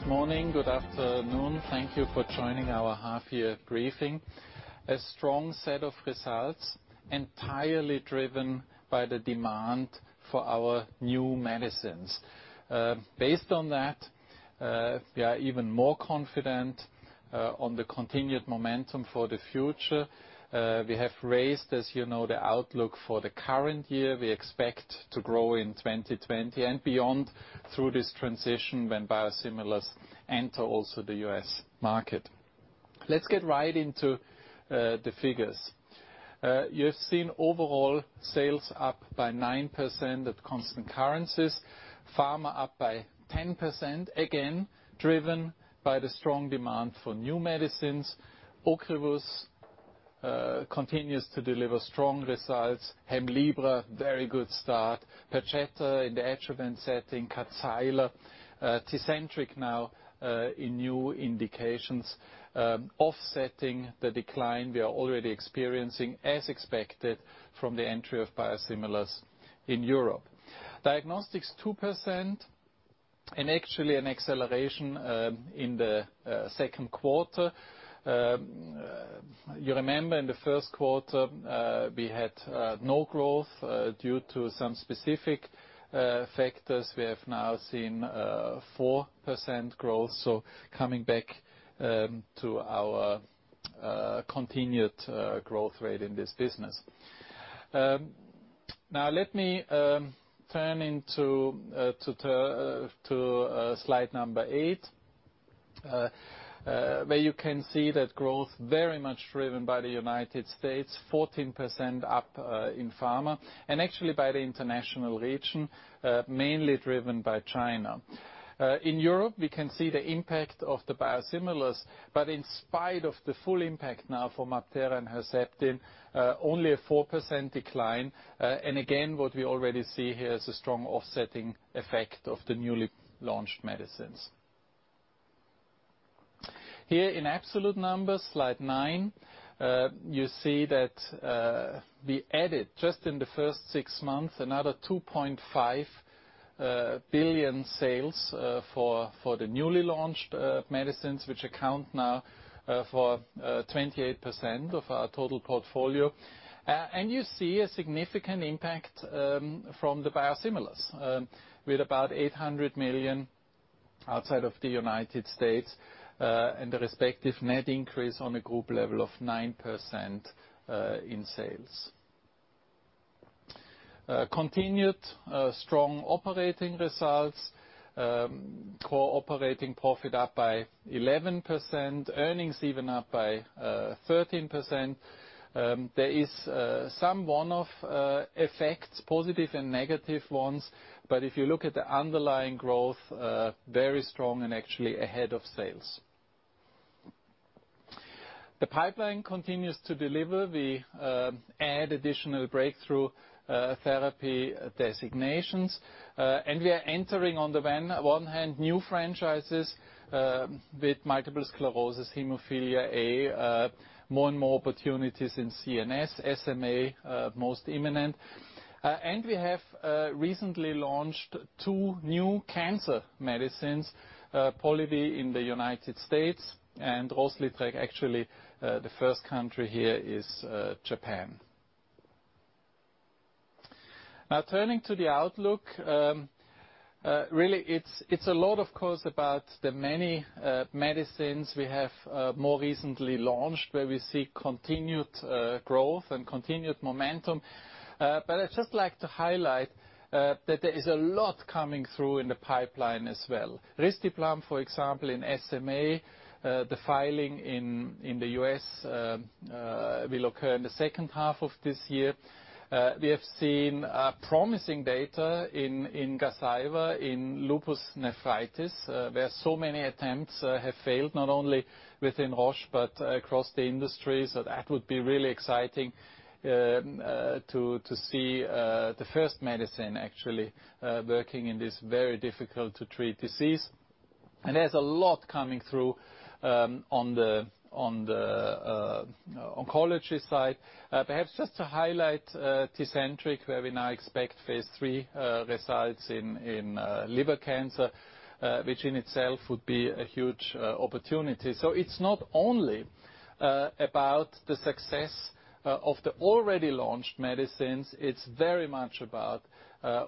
Good morning, good afternoon. Thank you for joining our half-year briefing. A strong set of results, entirely driven by the demand for our new medicines. Based on that, we are even more confident on the continued momentum for the future. We have raised, as you know, the outlook for the current year. We expect to grow in 2020 and beyond through this transition when biosimilars enter also the U.S. market. Let's get right into the figures. You have seen overall sales up by 9% at constant currencies. Pharma up by 10%, again, driven by the strong demand for new medicines. Ocrevus continues to deliver strong results. HEMLIBRA, very good start. PERJETA in the adjuvant setting. KADCYLA. TECENTRIQ now in new indications offsetting the decline we are already experiencing, as expected, from the entry of biosimilars in Europe. Diagnostics, 2%, and actually an acceleration in the second quarter. You remember in the first quarter, we had no growth due to some specific factors. We have now seen 4% growth, so coming back to our continued growth rate in this business. Let me turn to slide number eight, where you can see that growth very much driven by the U.S., 14% up in pharma, and actually by the international region, mainly driven by China. In Europe, we can see the impact of the biosimilars, but in spite of the full impact now for MabThera and Herceptin, only a 4% decline. Again, what we already see here is a strong offsetting effect of the newly launched medicines. Here in absolute numbers, slide nine, you see that we added, just in the first six months, another 2.5 billion sales for the newly launched medicines, which account now for 28% of our total portfolio. You see a significant impact from the biosimilars with about 800 million outside of the U.S. and the respective net increase on a group level of 9% in sales. Continued strong operating results. Core operating profit up by 11%, earnings even up by 13%. There is some one-off effects, positive and negative ones, but if you look at the underlying growth, very strong and actually ahead of sales. The pipeline continues to deliver. We add additional breakthrough therapy designations. We are entering, on the one hand, new franchises with multiple sclerosis, haemophilia A, more and more opportunities in CNS, SMA most imminent. We have recently launched two new cancer medicines, POLIVY in the U.S. and Rozlytrek, actually, the first country here is Japan. Now turning to the outlook. Really it's a lot, of course, about the many medicines we have more recently launched where we see continued growth and continued momentum. I'd just like to highlight that there is a lot coming through in the pipeline as well. risdiplam, for example, in SMA, the filing in the U.S. will occur in the second half of this year. We have seen promising data in GAZYVA in lupus nephritis, where so many attempts have failed, not only within Roche, but across the industry. That would be really exciting to see the first medicine actually working in this very difficult to treat disease. There's a lot coming through on the oncology side. Perhaps just to highlight TECENTRIQ, where we now expect phase III results in liver cancer, which in itself would be a huge opportunity. It's not only about the success of the already launched medicines, it's very much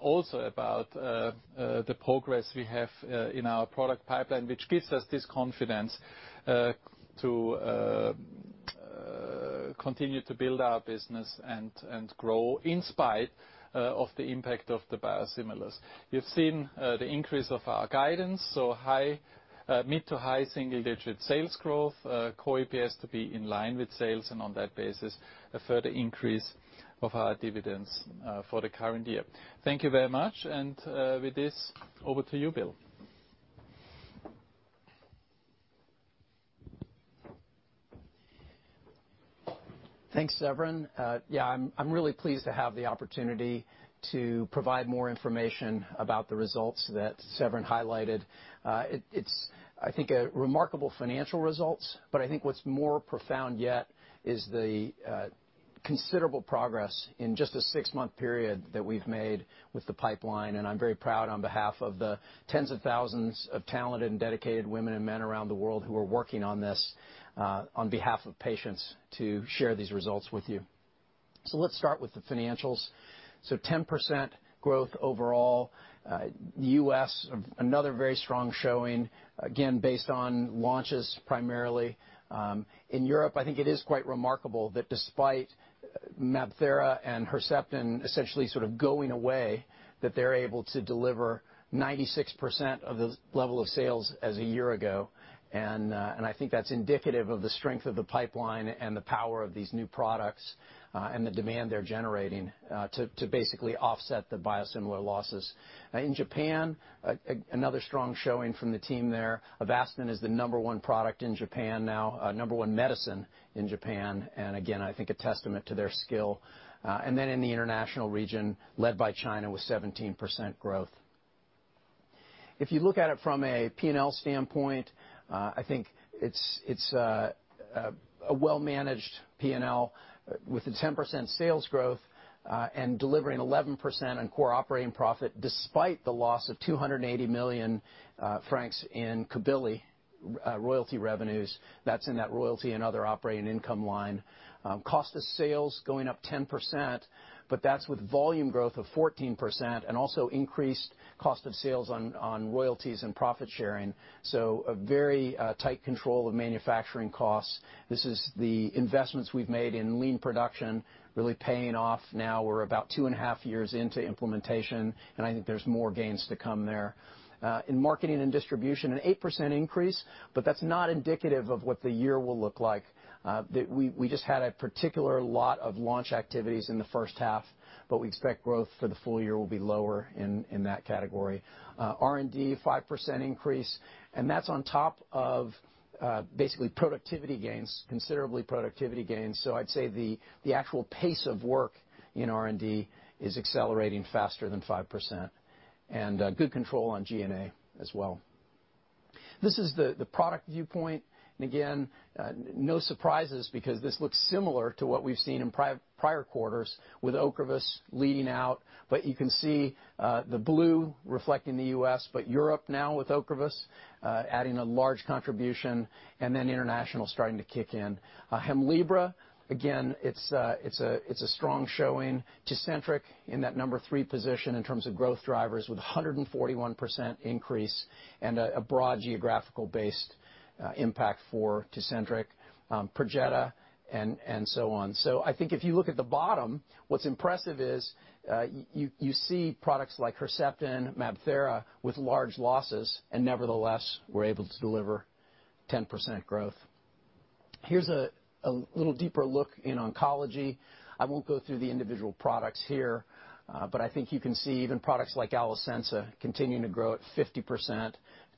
also about the progress we have in our product pipeline, which gives us this confidence to continue to build our business and grow in spite of the impact of the biosimilars. You've seen the increase of our guidance, mid to high single-digit sales growth, core EPS to be in line with sales, and on that basis, a further increase of our dividends for the current year. Thank you very much. With this, over to you, Bill. Thanks, Severin. Yeah, I'm really pleased to have the opportunity to provide more information about the results that Severin highlighted. It's, I think, remarkable financial results, but I think what's more profound yet is the considerable progress in just a six-month period that we've made with the pipeline, and I'm very proud on behalf of the tens of thousands of talented and dedicated women and men around the world who are working on this on behalf of patients to share these results with you. Let's start with the financials. 10% growth overall. U.S., another very strong showing, again, based on launches primarily. In Europe, I think it is quite remarkable that despite MabThera and Herceptin essentially sort of going away, that they're able to deliver 96% of the level of sales as a year ago. I think that's indicative of the strength of the pipeline and the power of these new products, and the demand they're generating, to basically offset the biosimilar losses. In Japan, another strong showing from the team there. Avastin is the number one product in Japan now, number one medicine in Japan. Again, I think a testament to their skill. In the international region, led by China with 17% growth. If you look at it from a P&L standpoint, I think it's a well-managed P&L with a 10% sales growth, and delivering 11% on core operating profit despite the loss of 280 million francs in Cabilly royalty revenues. That's in that royalty and other operating income line. Cost of sales going up 10%, that's with volume growth of 14% and also increased cost of sales on royalties and profit sharing. A very tight control of manufacturing costs. This is the investments we've made in lean production really paying off now. We're about two and a half years into implementation, and I think there's more gains to come there. In marketing and distribution, an 8% increase, but that's not indicative of what the year will look like. We just had a particular lot of launch activities in the first half, but we expect growth for the full year will be lower in that category. R&D, 5% increase, and that's on top of basically productivity gains, considerable productivity gains. I'd say the actual pace of work in R&D is accelerating faster than 5%. Good control on G&A as well. This is the product viewpoint, and again, no surprises because this looks similar to what we've seen in prior quarters with Ocrevus leading out. You can see the blue reflecting the U.S., Europe now with Ocrevus adding a large contribution, international starting to kick in. HEMLIBRA, again, it's a strong showing. TECENTRIQ in that number 3 position in terms of growth drivers with 141% increase and a broad geographical based impact for TECENTRIQ, PERJETA, and so on. I think if you look at the bottom, what's impressive is you see products like HERCEPTIN, MabThera with large losses, and nevertheless, we're able to deliver 10% growth. Here's a little deeper look in oncology. I won't go through the individual products here, but I think you can see even products like ALECENSA continuing to grow at 50%,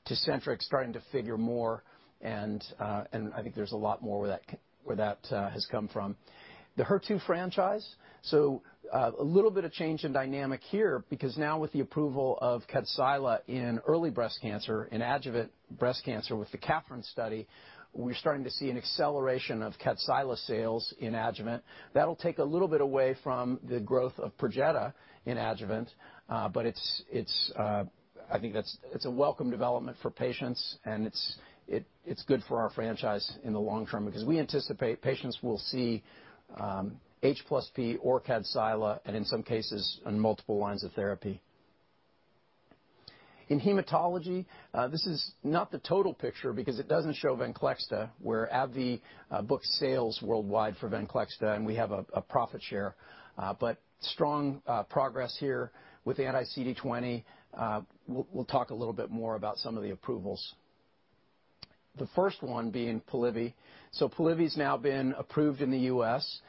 TECENTRIQ starting to figure more, and I think there's a lot more where that has come from. The HER2 franchise, a little bit of change in dynamic here because now with the approval of KADCYLA in early breast cancer, in adjuvant breast cancer with the KATHERINE study, we're starting to see an acceleration of KADCYLA sales in adjuvant. That'll take a little bit away from the growth of PERJETA in adjuvant. I think that's a welcome development for patients and it's good for our franchise in the long term because we anticipate patients will see H+P or KADCYLA, and in some cases, on multiple lines of therapy. In hematology, this is not the total picture because it doesn't show VENCLEXTA, where AbbVie books sales worldwide for VENCLEXTA, and we have a profit share. Strong progress here with anti-CD20. We'll talk a little bit more about some of the approvals. The first one being POLIVY. POLIVY's now been approved in the U.S.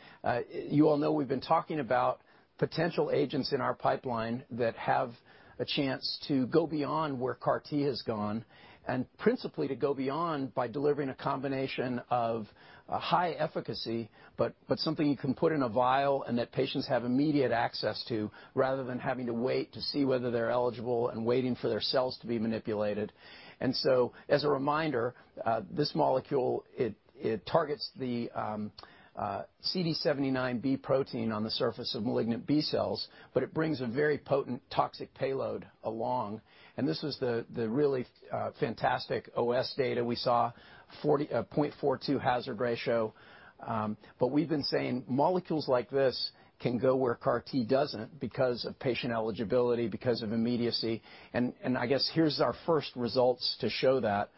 You all know we've been talking about potential agents in our pipeline that have a chance to go beyond where CAR T has gone, principally to go beyond by delivering a combination of a high efficacy, but something you can put in a vial and that patients have immediate access to, rather than having to wait to see whether they're eligible and waiting for their cells to be manipulated. As a reminder, this molecule, it targets the CD79B protein on the surface of malignant B cells, but it brings a very potent toxic payload along. This is the really fantastic OS data we saw, 0.42 hazard ratio. We've been saying molecules like this can go where CAR T doesn't because of patient eligibility, because of immediacy, and I guess here's our first results to show that.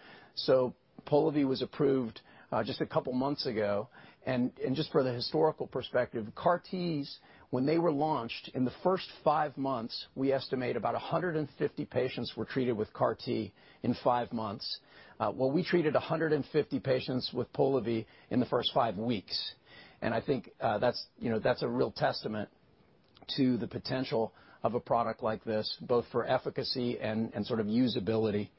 POLIVY was approved just a couple of months ago. Just for the historical perspective, CAR T's, when they were launched in the first five months, we estimate about 150 patients were treated with CAR T in five months. We treated 150 patients with POLIVY in the first five weeks, and I think that's a real testament to the potential of a product like this, both for efficacy and sort of usability.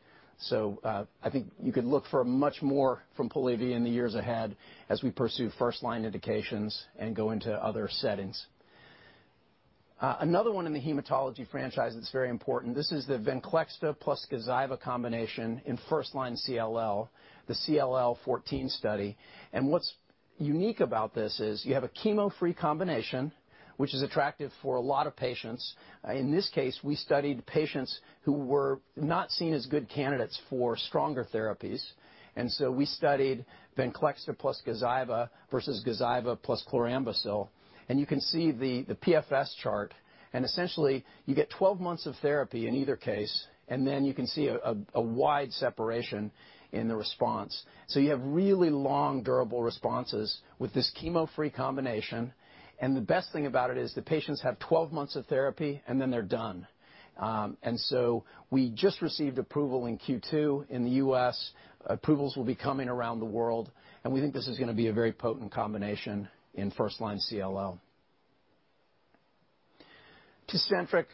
I think you could look for much more from POLIVY in the years ahead as we pursue first-line indications and go into other settings. Another one in the hematology franchise that's very important, this is the VENCLEXTA plus GAZYVA combination in first-line CLL, the CLL14 study. What's unique about this is you have a chemo-free combination, which is attractive for a lot of patients. In this case, we studied patients who were not seen as good candidates for stronger therapies. We studied VENCLEXTA plus GAZYVA versus GAZYVA plus chlorambucil. You can see the PFS chart, and essentially you get 12 months of therapy in either case, and then you can see a wide separation in the response. You have really long durable responses with this chemo-free combination. The best thing about it is the patients have 12 months of therapy, and then they're done. We just received approval in Q2 in the U.S. Approvals will be coming around the world, and we think this is going to be a very potent combination in first-line CLL. TECENTRIQ,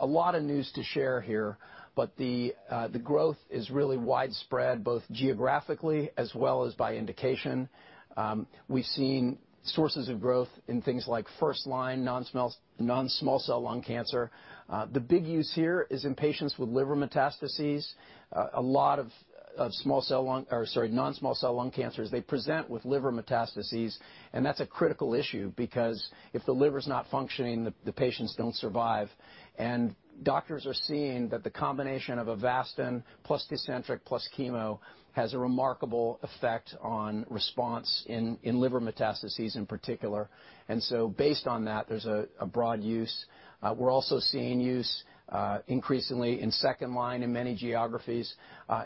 a lot of news to share here, but the growth is really widespread, both geographically as well as by indication. We've seen sources of growth in things like first-line non-small cell lung cancer. The big use here is in patients with liver metastases. A lot of non-small cell lung cancers, they present with liver metastases, and that's a critical issue because if the liver's not functioning, the patients don't survive. Doctors are seeing that the combination of Avastin plus TECENTRIQ plus chemo has a remarkable effect on response in liver metastases in particular. Based on that, there's a broad use. We're also seeing use increasingly in second-line in many geographies.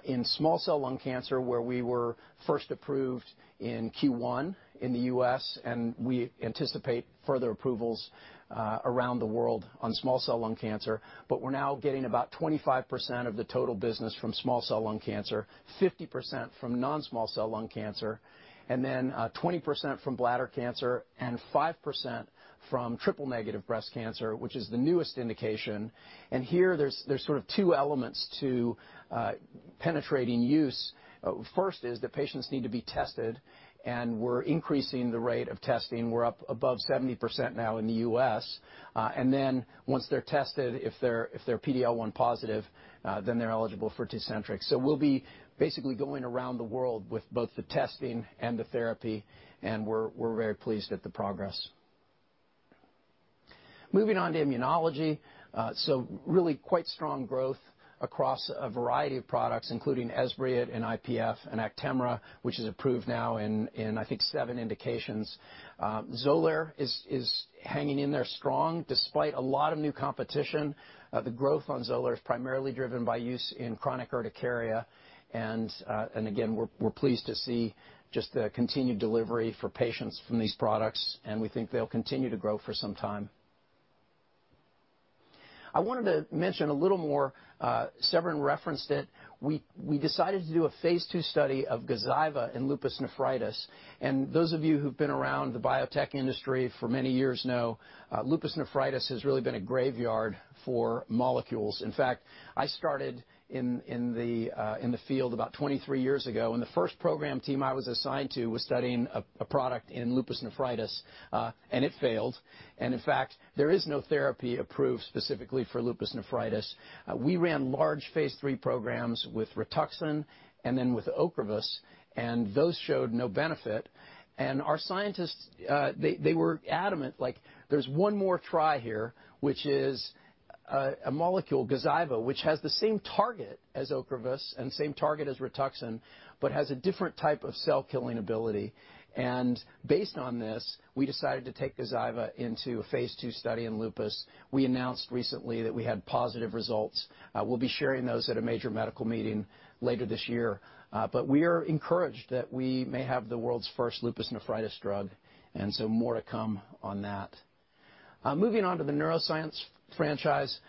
In small cell lung cancer, where we were first approved in Q1 in the U.S., and we anticipate further approvals around the world on small cell lung cancer. We're now getting about 25% of the total business from small cell lung cancer, 50% from non-small cell lung cancer, and then 20% from bladder cancer, and 5% from triple-negative breast cancer, which is the newest indication. Here, there's sort of two elements to penetrating use. First is that patients need to be tested, and we're increasing the rate of testing. We're up above 70% now in the U.S. Then once they're tested, if they're PD-L1 positive, then they're eligible for TECENTRIQ. We'll be basically going around the world with both the testing and the therapy, and we're very pleased at the progress. Moving on to immunology. Really quite strong growth across a variety of products, including Esbriet in IPF, and ACTEMRA, which is approved now in I think seven indications. XOLAIR is hanging in there strong despite a lot of new competition. The growth on XOLAIR is primarily driven by use in chronic urticaria. Again, we're pleased to see just the continued delivery for patients from these products, and we think they'll continue to grow for some time. I wanted to mention a little more, Severin referenced it. We decided to do a phase II study of GAZYVA in lupus nephritis. Those of you who've been around the biotech industry for many years know lupus nephritis has really been a graveyard for molecules. In fact, I started in the field about 23 years ago, and the first program team I was assigned to was studying a product in lupus nephritis, and it failed. In fact, there is no therapy approved specifically for lupus nephritis. We ran large phase III programs with RITUXAN and then with Ocrevus, and those showed no benefit. Our scientists, they were adamant, like there's one more try here, which is a molecule, GAZYVA, which has the same target as Ocrevus and same target as RITUXAN, but has a different type of cell-killing ability. Based on this, we decided to take GAZYVA into a phase II study in lupus. We announced recently that we had positive results. We'll be sharing those at a major medical meeting later this year. We are encouraged that we may have the world's first lupus nephritis drug. More to come on that. Moving on to the neuroscience franchise.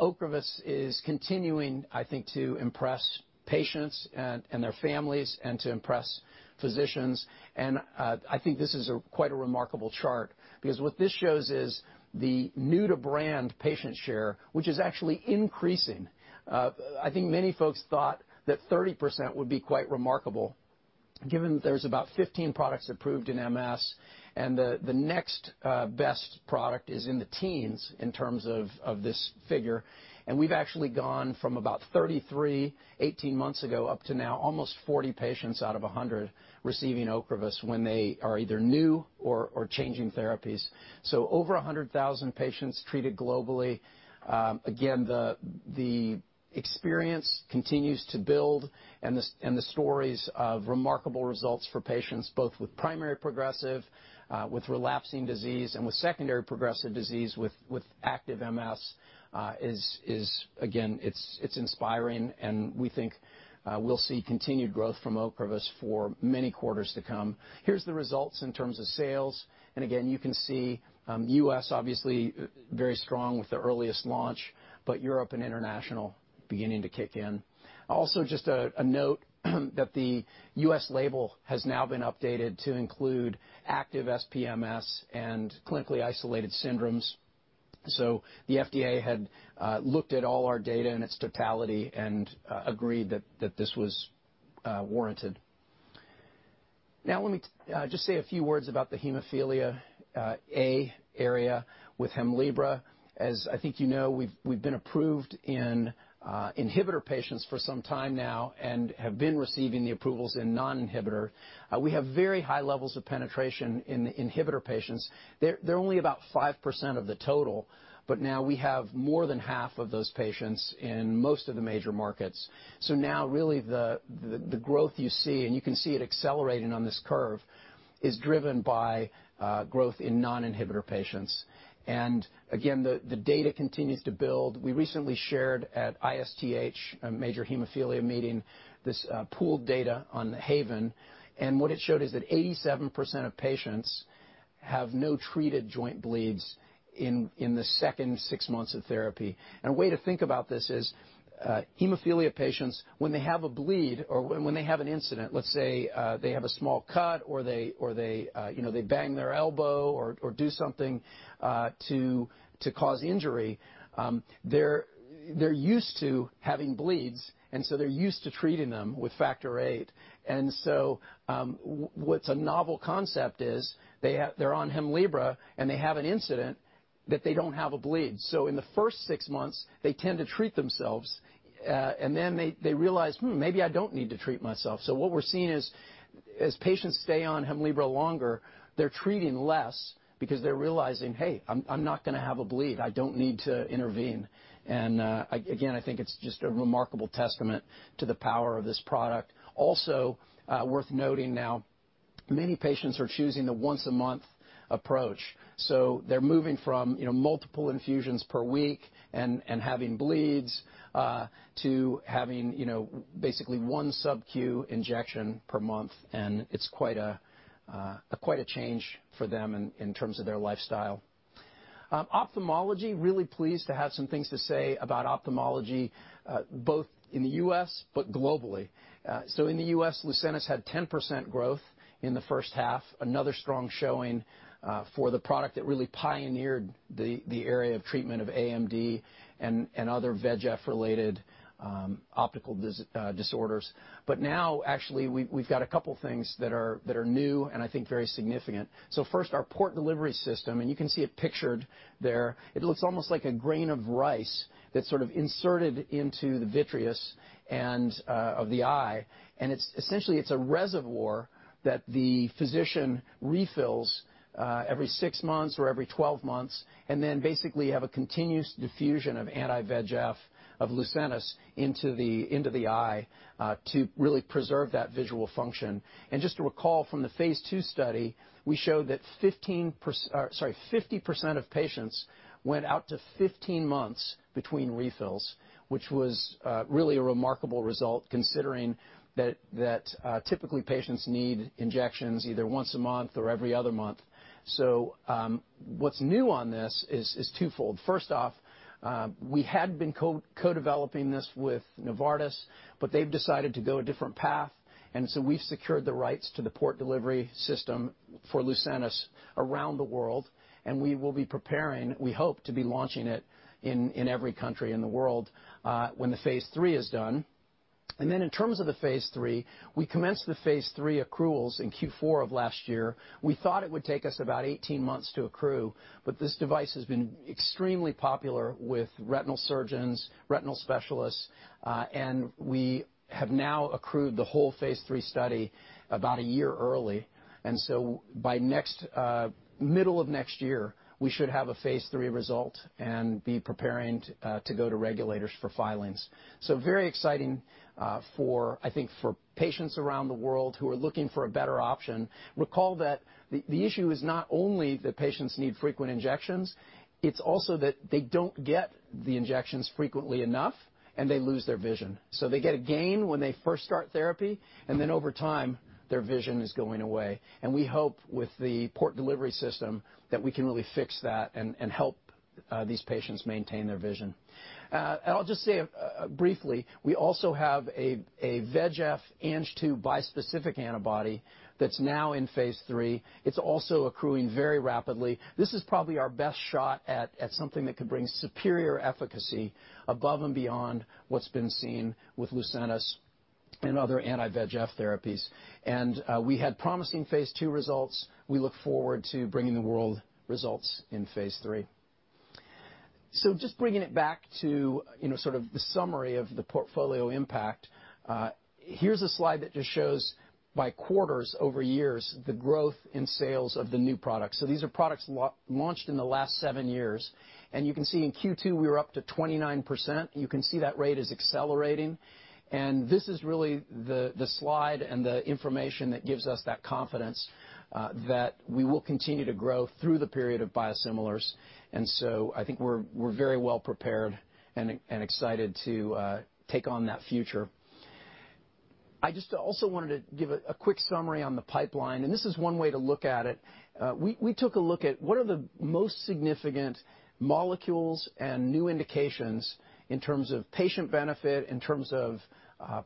Ocrevus is continuing, I think, to impress patients and their families and to impress physicians. I think this is quite a remarkable chart because what this shows is the new-to-brand patient share, which is actually increasing. I think many folks thought that 30% would be quite remarkable given that there's about 15 products approved in MS, and the next best product is in the teens in terms of this figure. We've actually gone from about 33% 18 months ago, up to now almost 40 patients out of 100 receiving Ocrevus when they are either new or changing therapies. Over 100,000 patients treated globally. Again, the experience continues to build, and the stories of remarkable results for patients both with primary progressive, with relapsing disease, and with secondary progressive disease with active MS is, again, it's inspiring, and we think we'll see continued growth from Ocrevus for many quarters to come. Here's the results in terms of sales. Again, you can see U.S. obviously very strong with the earliest launch, but Europe and international beginning to kick in. Just a note that the U.S. label has now been updated to include active SPMS and clinically isolated syndromes. The FDA had looked at all our data in its totality and agreed that this was warranted. Now let me just say a few words about the hemophilia A area with HEMLIBRA. As I think you know, we've been approved in inhibitor patients for some time now and have been receiving the approvals in non-inhibitor. We have very high levels of penetration in the inhibitor patients. They're only about 5% of the total, but now we have more than half of those patients in most of the major markets. Now really the growth you see, and you can see it accelerating on this curve, is driven by growth in non-inhibitor patients. Again, the data continues to build. We recently shared at ISTH, a major hemophilia meeting, this pooled data on the HAVEN. What it showed is that 87% of patients have no treated joint bleeds in the second six months of therapy. A way to think about this is, hemophilia patients, when they have a bleed or when they have an incident, let's say they have a small cut or they bang their elbow or do something to cause injury, they're used to having bleeds. They're used to treating them with factor VIII. What's a novel concept is they're on HEMLIBRA and they have an incident that they don't have a bleed. In the first six months, they tend to treat themselves, and then they realize, "Hmm, maybe I don't need to treat myself." What we're seeing is as patients stay on HEMLIBRA longer, they're treating less because they're realizing, "Hey, I'm not going to have a bleed. I don't need to intervene." And again, I think it's just a remarkable testament to the power of this product. Worth noting now, many patients are choosing the once-a-month approach. They're moving from multiple infusions per week and having bleeds to having basically one subQ injection per month, and it's quite a change for them in terms of their lifestyle. Ophthalmology, really pleased to have some things to say about ophthalmology both in the U.S. but globally. In the U.S., LUCENTIS had 10% growth in the first half, another strong showing for the product that really pioneered the area of treatment of AMD and other VEGF-related optical disorders. Now actually, we've got a couple things that are new and I think very significant. First, our Port Delivery System, and you can see it pictured there. It looks almost like a grain of rice that's sort of inserted into the vitreous of the eye. Essentially, it's a reservoir that the physician refills every six months or every 12 months and then basically you have a continuous diffusion of anti-VEGF of LUCENTIS into the eye to really preserve that visual function. Just to recall from the phase II study, we showed that 50% of patients went out to 15 months between refills, which was really a remarkable result considering that typically patients need injections either once a month or every other month. What's new on this is twofold. First off, we had been co-developing this with Novartis, but they've decided to go a different path, and so we've secured the rights to the Port Delivery System for LUCENTIS around the world, and we will be preparing, we hope to be launching it in every country in the world when the phase III is done. In terms of the phase III, we commenced the phase III accruals in Q4 of last year. We thought it would take us about 18 months to accrue, but this device has been extremely popular with retinal surgeons, retinal specialists, and we have now accrued the whole phase III study about 1 year early. By middle of next year, we should have a phase III result and be preparing to go to regulators for filings. Very exciting I think for patients around the world who are looking for a better option. Recall that the issue is not only that patients need frequent injections, it's also that they don't get the injections frequently enough, and they lose their vision. They get a gain when they first start therapy, and then over time, their vision is going away. We hope with the Port Delivery System that we can really fix that and help these patients maintain their vision. I'll just say briefly, we also have a VEGF/Ang-2 bispecific antibody that's now in phase III. It's also accruing very rapidly. This is probably our best shot at something that could bring superior efficacy above and beyond what's been seen with LUCENTIS and other anti-VEGF therapies. We had promising phase II results. We look forward to bringing the world results in phase III. Just bringing it back to sort of the summary of the portfolio impact. Here's a slide that just shows by quarters over years the growth in sales of the new products. These are products launched in the last seven years. You can see in Q2, we were up to 29%. You can see that rate is accelerating. This is really the slide and the information that gives us that confidence that we will continue to grow through the period of biosimilars. I think we're very well prepared and excited to take on that future. I just also wanted to give a quick summary on the pipeline, and this is one way to look at it. We took a look at what are the most significant molecules and new indications in terms of patient benefit, in terms of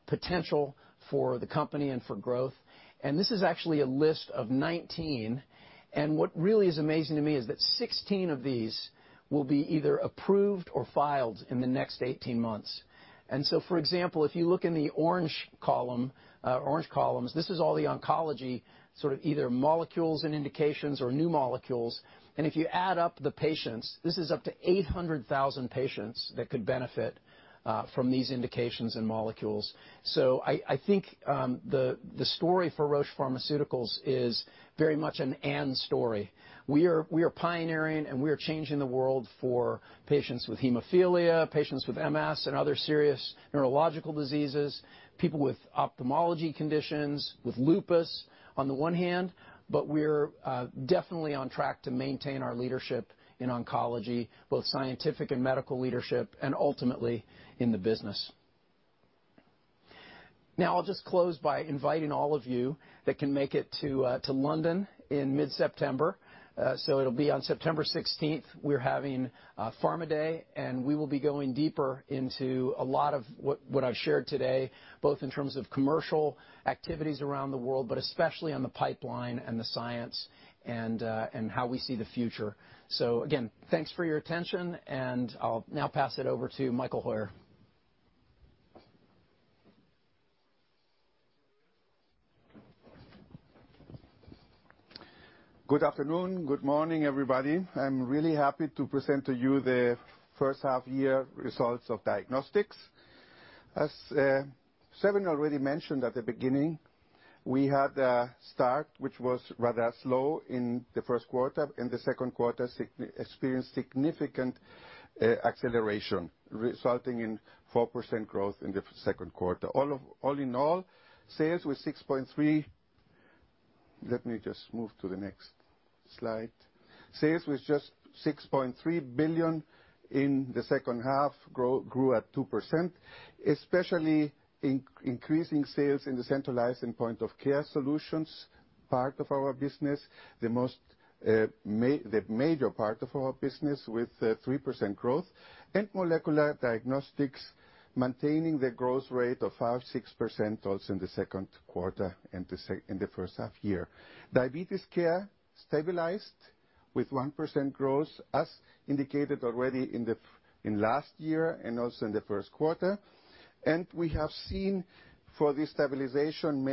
potential for the company and for growth. This is actually a list of 19, and what really is amazing to me is that 16 of these will be either approved or filed in the next 18 months. For example, if you look in the orange columns, this is all the oncology sort of either molecules and indications or new molecules. If you add up the patients, this is up to 800,000 patients that could benefit from these indications and molecules. I think the story for Roche Pharmaceuticals is very much an and story. We are pioneering and we are changing the world for patients with hemophilia, patients with MS and other serious neurological diseases, people with ophthalmology conditions, with lupus on the one hand, but we're definitely on track to maintain our leadership in oncology, both scientific and medical leadership, and ultimately in the business. I'll just close by inviting all of you that can make it to London in mid-September. It'll be on September 16th, we're having Pharma Day, and we will be going deeper into a lot of what I've shared today, both in terms of commercial activities around the world, but especially on the pipeline and the science and how we see the future. Again, thanks for your attention, and I'll now pass it over to Michael Heuer. Good afternoon, good morning, everybody. I'm really happy to present to you the first half year results of diagnostics. As Severin already mentioned at the beginning, we had a start, which was rather slow in the first quarter. In the second quarter, experienced significant acceleration, resulting in 4% growth in the second quarter. All in all, sales was 6.3. Let me just move to the next slide. Sales was just 6.3 billion in the second half, grew at 2%, especially increasing sales in the Centralized and Point of Care Solutions part of our business, the major part of our business with 3% growth, and molecular diagnostics maintaining the growth rate of 5%-6% also in the second quarter and in the first half year. Diabetes Care stabilized with 1% growth as indicated already in last year and also in the first quarter. We have seen for this stabilization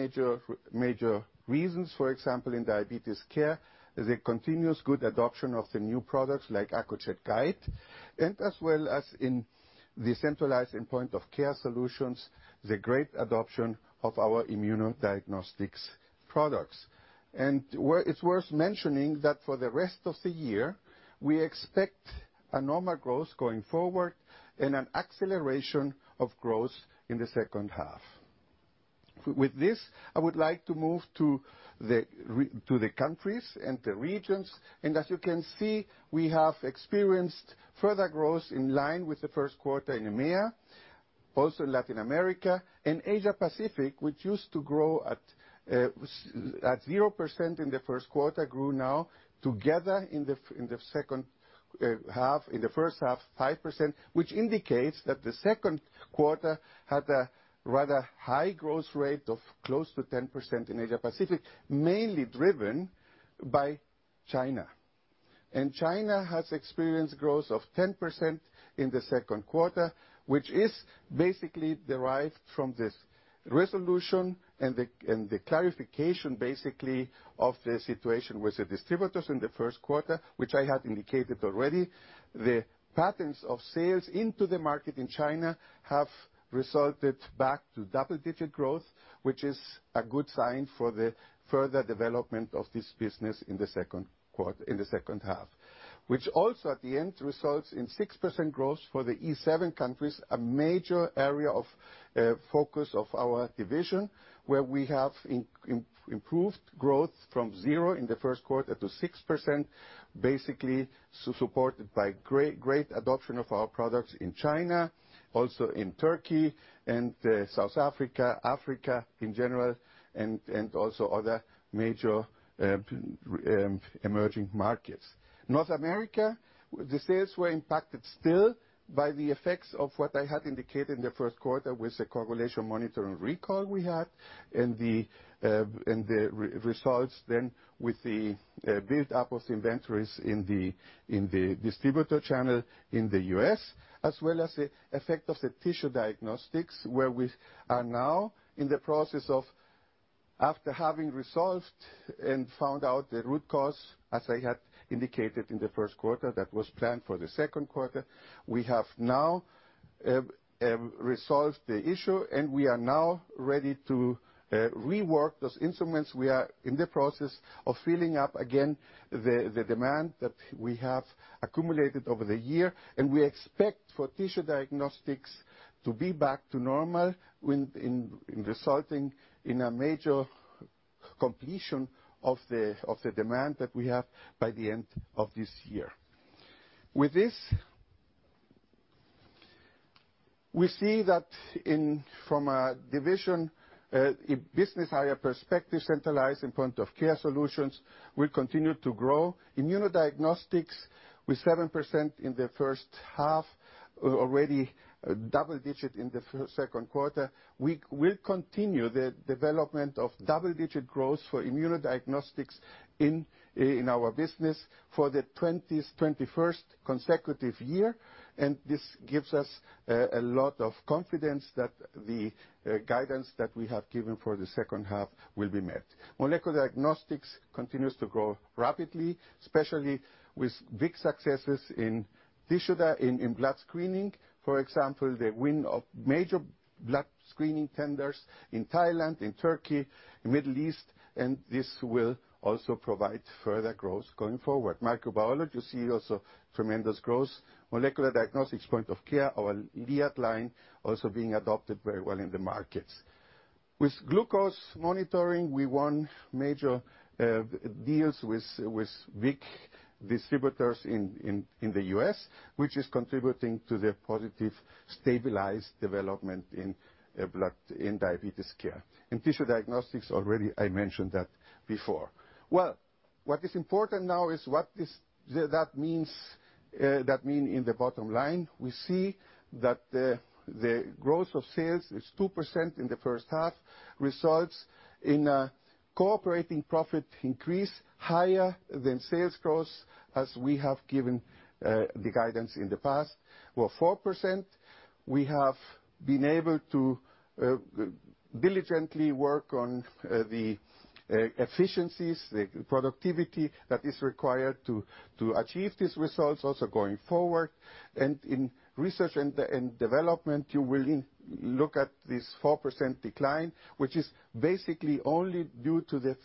major reasons. For example, in diabetes care, the continuous good adoption of the new products like Accu-Chek Guide, and as well as in the centralized and point of care solutions, the great adoption of our immunodiagnostics products. It's worth mentioning that for the rest of the year, we expect a normal growth going forward and an acceleration of growth in the second half. With this, I would like to move to the countries and the regions. As you can see, we have experienced further growth in line with the first quarter in EMEA, also Latin America, and Asia Pacific, which used to grow at 0% in the first quarter, grew now together in the first half 5%, which indicates that the second quarter had a rather high growth rate of close to 10% in Asia Pacific, mainly driven by China. China has experienced growth of 10% in the second quarter, which is basically derived from this resolution and the clarification basically of the situation with the distributors in the first quarter, which I had indicated already. The patterns of sales into the market in China have resulted back to double digit growth, which is a good sign for the further development of this business in the second half. Which also at the end results in 6% growth for the E7 countries, a major area of focus of our division, where we have improved growth from zero in the first quarter to 6%, basically supported by great adoption of our products in China, also in Turkey and South Africa in general, and also other major emerging markets. North America, the sales were impacted still by the effects of what I had indicated in the first quarter with the coagulation monitoring recall we had, and the results then with the build up of inventories in the distributor channel in the U.S., as well as the effect of the tissue diagnostics, where we are now in the process of after having resolved and found out the root cause, as I had indicated in the first quarter, that was planned for the second quarter. We have now resolved the issue, and we are now ready to rework those instruments. We are in the process of filling up again the demand that we have accumulated over the year, and we expect for tissue diagnostics to be back to normal, resulting in a major completion of the demand that we have by the end of this year. We see that from a division business area perspective, centralized and point of care solutions will continue to grow. Immunodiagnostics with 7% in the first half, already double digit in the second quarter. We will continue the development of double-digit growth for immunodiagnostics in our business for the 21st consecutive year. This gives us a lot of confidence that the guidance that we have given for the second half will be met. Molecular diagnostics continues to grow rapidly, especially with big successes in blood screening. For example, the win of major blood screening tenders in Thailand, in Turkey, Middle East, this will also provide further growth going forward. Microbiology, you see also tremendous growth. Molecular diagnostics point of care, our ViaLine, also being adopted very well in the markets. With glucose monitoring, we won major deals with big distributors in the U.S., which is contributing to the positive stabilized development in diabetes care. In tissue diagnostics, already I mentioned that before. Well, what is important now is what that means in the bottom line. We see that the growth of sales is 2% in the first half, results in an operating profit increase higher than sales growth, as we have given the guidance in the past, were 4%. We have been able to diligently work on the efficiencies, the productivity that is required to achieve these results, also going forward. In research and development, you will look at this 4% decline, which is basically only due to the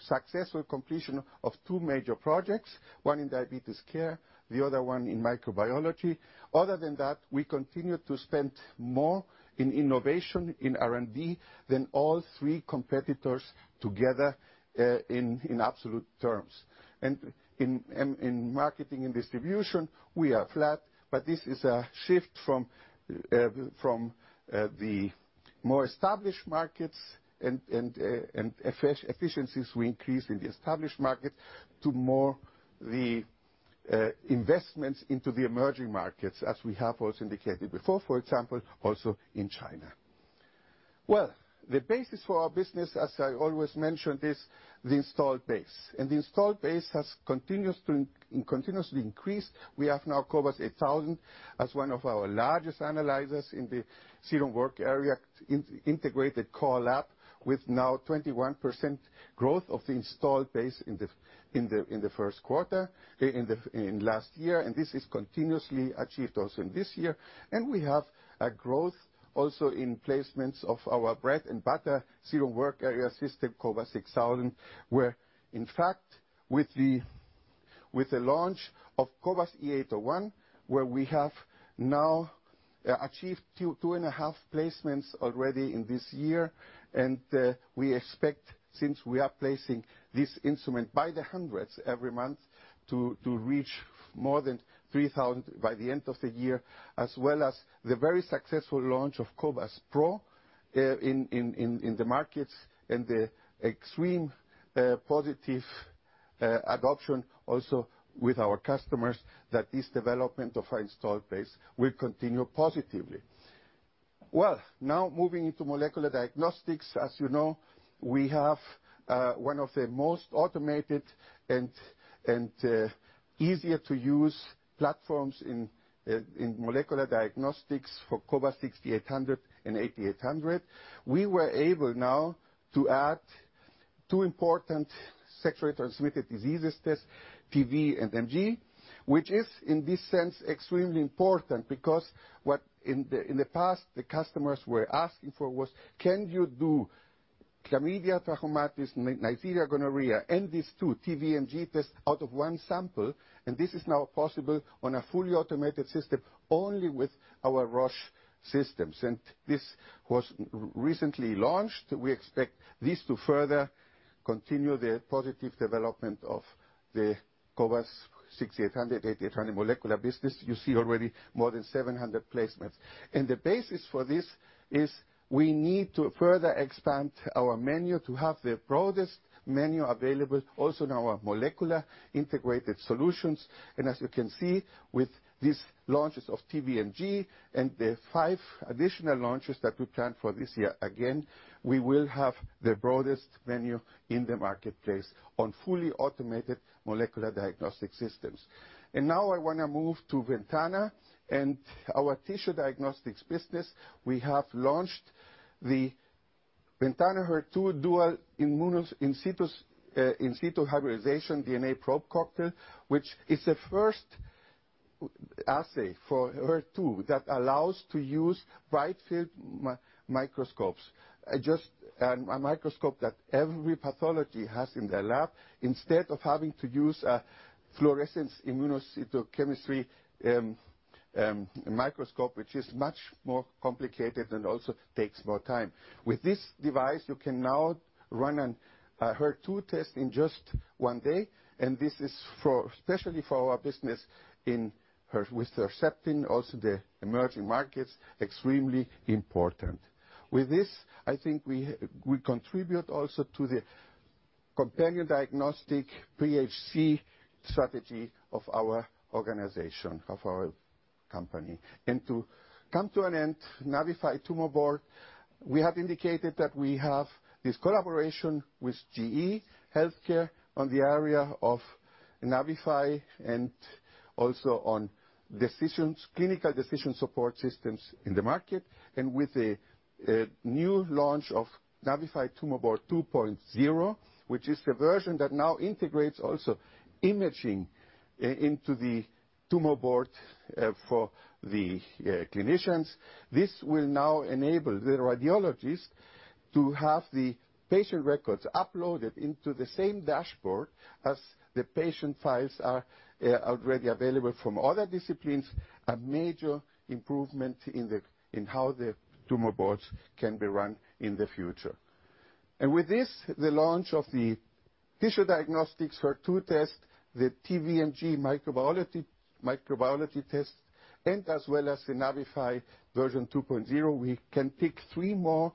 successful completion of two major projects, one in diabetes care, the other one in microbiology. Other than that, we continue to spend more in innovation in R&D than all three competitors together in absolute terms. In marketing and distribution, we are flat, but this is a shift from the more established markets and efficiencies we increase in the established market to more the investments into the emerging markets, as we have also indicated before, for example, also in China. Well, the basis for our business, as I always mention, is the installed base. The installed base has continuously increased. We have now cobas 8000 as one of our largest analyzers in the serum work area, integrated core lab with now 21% growth of the installed base in the first quarter in last year. This is continuously achieved also in this year. We have a growth also in placements of our bread and butter serum work area system, cobas 6000, where in fact with the launch of cobas e 801, where we have now achieved two and a half placements already in this year. We expect, since we are placing this instrument by the hundreds every month, to reach more than 3,000 by the end of the year. As well as the very successful launch of cobas pro in the markets and the extreme positive adoption also with our customers, that this development of our installed base will continue positively. Well, now moving into molecular diagnostics. As you know, we have one of the most automated and easier to use platforms in molecular diagnostics for cobas 6800 and 8800. We were able now to add two important sexually transmitted diseases test, TV and MG, which is in this sense extremely important because what in the past the customers were asking for was, can you do Chlamydia trachomatis, Neisseria gonorrhoeae, and these two TV and G tests out of one sample? This is now possible on a fully automated system only with our Roche systems. This was recently launched. We expect this to further continue the positive development of the cobas 6800, 8800 molecular business. You see already more than 700 placements. The basis for this is we need to further expand our menu to have the broadest menu available also in our molecular integrated solutions. As you can see with these launches of cobas 6800 and cobas 8800 and the five additional launches that we plan for this year, again, we will have the broadest menu in the marketplace on fully automated molecular diagnostic systems. Now I want to move to VENTANA and our tissue diagnostics business. We have launched the VENTANA HER2 Dual ISH DNA Probe Cocktail, which is the first assay for HER2 that allows to use wide field microscopes. A microscope that every pathology has in their lab instead of having to use a fluorescence immunochemistry microscope, which is much more complicated and also takes more time. With this device, you can now run an HER2 test in just one day. This is especially for our business with Herceptin, also the emerging markets, extremely important. With this, I think we contribute also to the companion diagnostic PHC strategy of our organization, of our company. To come to an end, NAVIFY Tumor Board, we have indicated that we have this collaboration with GE Healthcare on the area of NAVIFY and also on clinical decision support systems in the market. With a new launch of NAVIFY Tumor Board 2.0, which is the version that now integrates also imaging into the tumor board for the clinicians. This will now enable the radiologist to have the patient records uploaded into the same dashboard as the patient files are already available from other disciplines. A major improvement in how the tumor boards can be run in the future. With this, the launch of the tissue diagnostics HER2 test, the TVMG microbiology test, and as well as the NAVIFY version 2.0, we can tick three more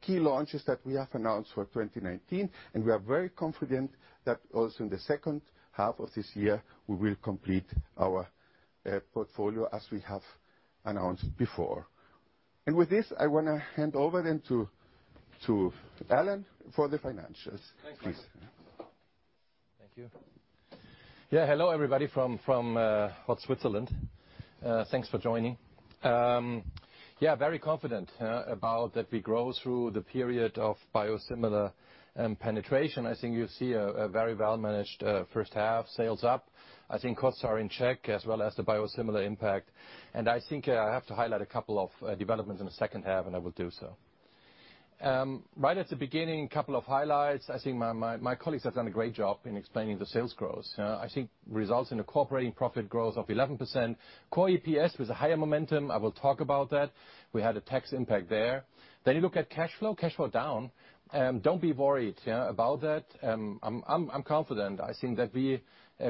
key launches that we have announced for 2019. We are very confident that also in the second half of this year, we will complete our portfolio as we have announced before. With this, I want to hand over then to Alan for the financials. Thanks. Please. Thank you. Hello, everybody from hot Switzerland. Thanks for joining. Very confident about that we grow through the period of biosimilar penetration. I think you see a very well-managed first half, sales up. I think costs are in check as well as the biosimilar impact. I think I have to highlight a couple of developments in the second half, and I will do so. Right at the beginning, a couple of highlights. I think my colleagues have done a great job in explaining the sales growth. I think results in an operating profit growth of 11%. Core EPS was a higher momentum. I will talk about that. We had a tax impact there. You look at cash flow. Cash flow down. Don't be worried about that. I'm confident. I think that we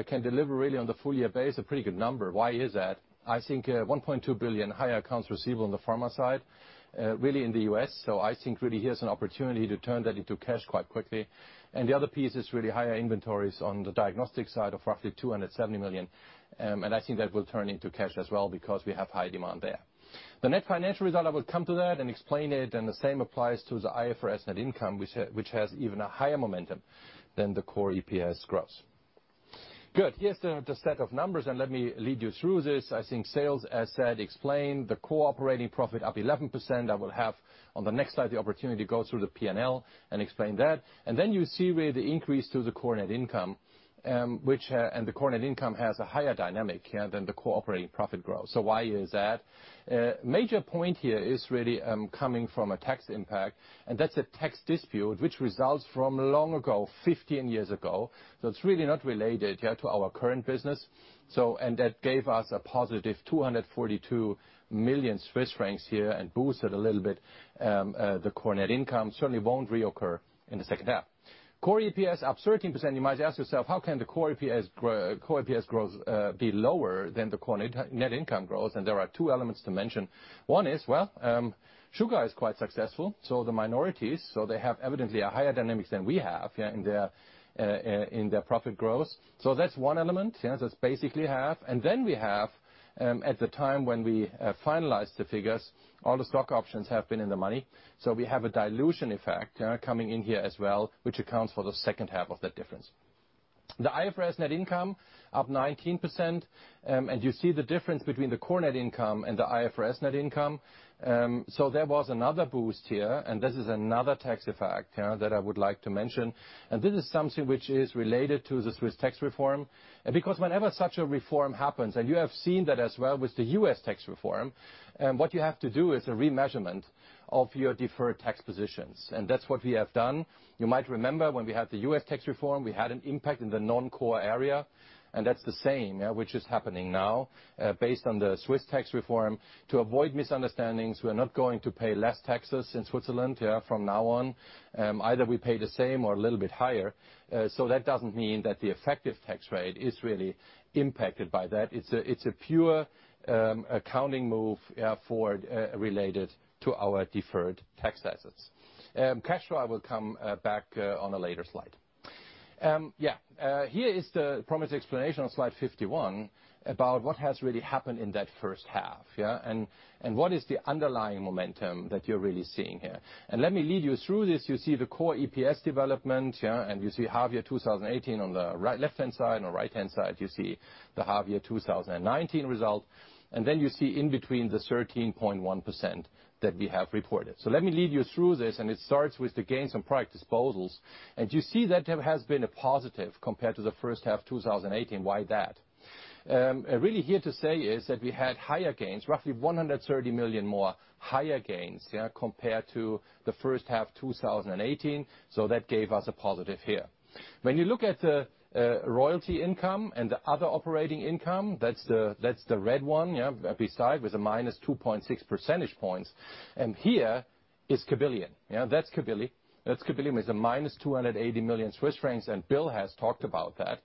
can deliver really on the full year base, a pretty good number. Why is that? I think, 1.2 billion higher accounts receivable on the pharma side, really in the U.S. I think really here's an opportunity to turn that into cash quite quickly. The other piece is really higher inventories on the diagnostic side of roughly 270 million. I think that will turn into cash as well because we have high demand there. The net financial result, I will come to that and explain it, and the same applies to the IFRS net income, which has even a higher momentum than the core EPS growth. Good. Here's the set of numbers, and let me lead you through this. I think sales, as said, explained. The core operating profit up 11%. I will have on the next slide the opportunity to go through the P&L and explain that. Then you see really the increase to the core net income. The core net income has a higher dynamic than the core operating profit growth. Why is that? Major point here is really coming from a tax impact, and that's a tax dispute which results from long ago, 15 years ago. It's really not related to our current business. That gave us a positive 242 million Swiss francs here and boosted a little bit the core net income. Certainly won't reoccur in the second half. Core EPS up 13%. You might ask yourself, how can the core EPS growth be lower than the core net income growth? There are two elements to mention. One is, well, Chugai is quite successful, so the minorities. They have evidently a higher dynamics than we have in their profit growth. That's one element. That's basically half. We have, at the time when we finalize the figures, all the stock options have been in the money. We have a dilution effect coming in here as well, which accounts for the second half of that difference. The IFRS net income up 19%, you see the difference between the core net income and the IFRS net income. There was another boost here, this is another tax effect that I would like to mention. This is something which is related to the Swiss tax reform. Whenever such a reform happens, you have seen that as well with the U.S. tax reform, what you have to do is a remeasurement of your deferred tax positions. That's what we have done. You might remember when we had the U.S. tax reform, we had an impact in the non-core area, and that's the same which is happening now based on the Swiss tax reform. To avoid misunderstandings, we are not going to pay less taxes in Switzerland from now on. Either we pay the same or a little bit higher. That doesn't mean that the effective tax rate is really impacted by that. It's a pure accounting move for related to our deferred tax assets. Cash flow, I will come back on a later slide. Yeah. Here is the promised explanation on slide 51 about what has really happened in that first half. Yeah. What is the underlying momentum that you're really seeing here? Let me lead you through this. You see the core EPS development, yeah, and you see half-year 2018 on the left-hand side. On the right-hand side, you see the half-year 2019 result, and then you see in between the 13.1% that we have reported. Let me lead you through this, and it starts with the gains on product disposals. You see that there has been a positive compared to the first half 2018. Why is that? Really here to say is that we had higher gains, roughly 130 million more higher gains, yeah, compared to the first half 2018. That gave us a positive here. When you look at the royalty income and the other operating income, that's the red one beside with a minus 2.6 percentage points. Here is Cabilly. That's Cabilly. That's Cabilly with a minus 280 million Swiss francs, and Bill has talked about that.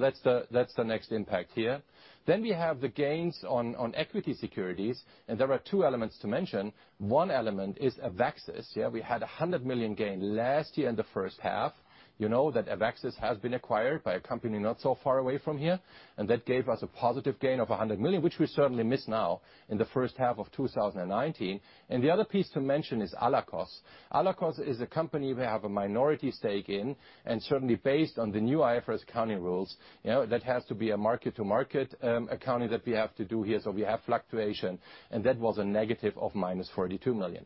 That's the next impact here. We have the gains on equity securities. There are two elements to mention. One element is AveXis. We had a 100 million gain last year in the first half. You know that AveXis has been acquired by a company not so far away from here, and that gave us a positive gain of 100 million, which we certainly miss now in the first half of 2019. The other piece to mention is Allakos. Allakos is a company we have a minority stake in. Certainly based on the new IFRS accounting rules, that has to be a market-to-market accounting that we have to do here. We have fluctuation. That was a negative of minus 42 million.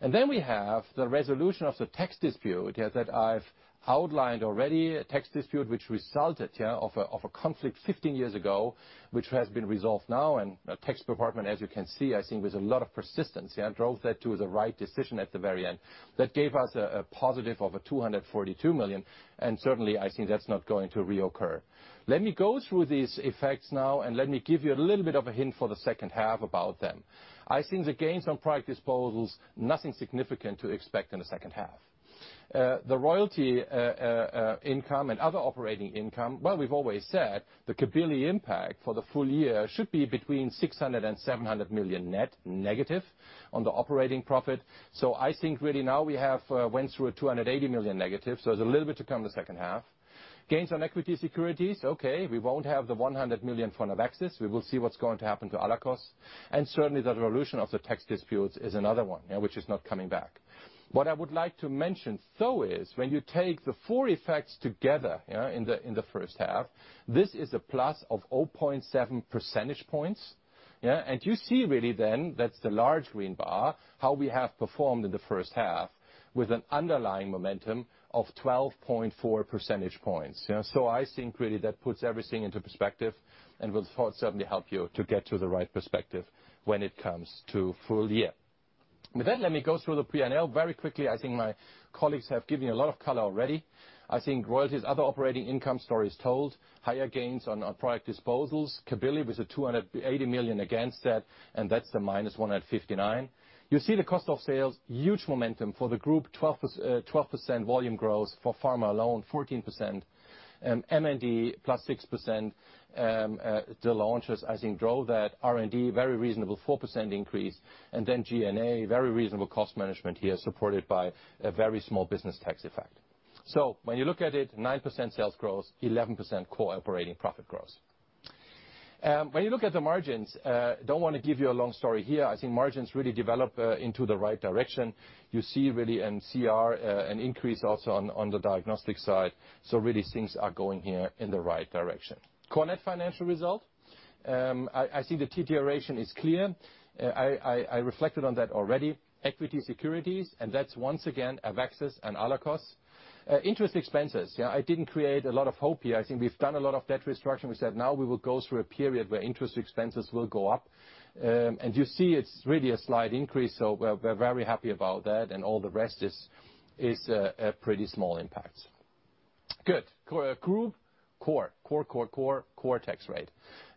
We have the resolution of the tax dispute that I've outlined already. A tax dispute which resulted of a conflict 15 years ago, which has been resolved now. The tax department, as you can see, I think with a lot of persistence, drove that to the right decision at the very end. That gave us a positive of 242 million. Certainly, I think that's not going to reoccur. Let me go through these effects now, and let me give you a little bit of a hint for the second half about them. I think the gains on product disposals, nothing significant to expect in the second half. The royalty income and other operating income, while we've always said the Cabilly impact for the full year should be between 600 million and 700 million net negative on the operating profit. I think really now we went through a 280 million negative, so there's a little bit to come in the second half. Gains on equity securities. Okay. We won't have the 100 million from AveXis. We will see what's going to happen to Allakos. Certainly, the resolution of the tax disputes is another one which is not coming back. What I would like to mention, though, is when you take the four effects together in the first half, this is a plus of 0.7 percentage points. You see really then, that's the large green bar, how we have performed in the first half with an underlying momentum of 12.4 percentage points. I think really that puts everything into perspective and will certainly help you to get to the right perspective when it comes to full year. With that, let me go through the P&L very quickly. I think my colleagues have given you a lot of color already. I think royalties other operating income story is told. Higher gains on our product disposals. Cabilly with a 280 million against that's the minus 159. You see the cost of sales, huge momentum for the group, 12% volume growth. For pharma alone, 14%. MND, +6%. The launches, I think, drove that. R&D, very reasonable, 4% increase. G&A, very reasonable cost management here, supported by a very small business tax effect. When you look at it, 9% sales growth, 11% core operating profit growth. When you look at the margins, don't want to give you a long story here. I think margins really develop into the right direction. You see really in core an increase also on the diagnostic side. Really things are going here in the right direction. Core net financial result. I think the TTR ratio is clear. I reflected on that already. Equity securities, that's once again AveXis and Allakos. Interest expenses. I didn't create a lot of hope here. I think we've done a lot of debt restructuring. We said now we will go through a period where interest expenses will go up. You see it's really a slight increase. We're very happy about that. All the rest is pretty small impacts. Good. Group core tax rate.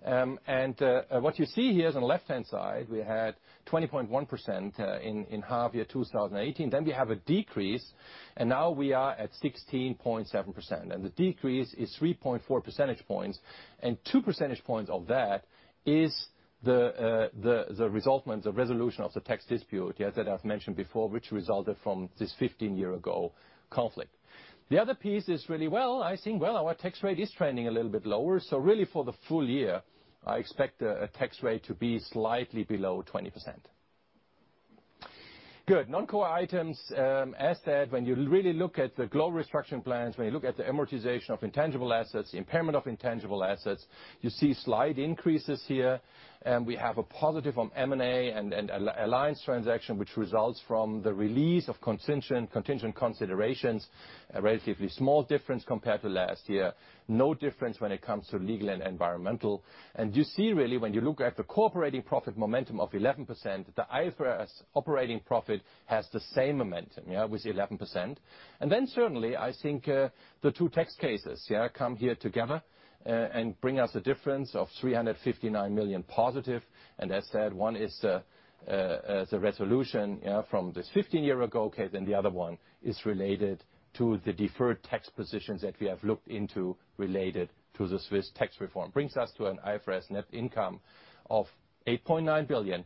What you see here is on the left-hand side, we had 20.1% in half-year 2018. We have a decrease, and now we are at 16.7%. The decrease is 3.4 percentage points. Two percentage points of that is the result and the resolution of the tax dispute that I've mentioned before, which resulted from this 15-year-ago conflict. The other piece is really, well, I think our tax rate is trending a little bit lower. Really for the full year, I expect a tax rate to be slightly below 20%. Good. Non-core items. As said, when you really look at the global restructuring plans, when you look at the amortization of intangible assets, impairment of intangible assets, you see slight increases here. We have a positive on M&A and alliance transaction, which results from the release of contingent considerations. A relatively small difference compared to last year. No difference when it comes to legal and environmental. You see really when you look at the core operating profit momentum of 11%, the IFRS operating profit has the same momentum with 11%. Certainly, I think the two tax cases come here together and bring us a difference of 359 million positive. As said, one is the resolution from this 15-year-ago case, and the other one is related to the deferred tax positions that we have looked into related to the Swiss tax reform. Brings us to an IFRS net income of 8.9 billion,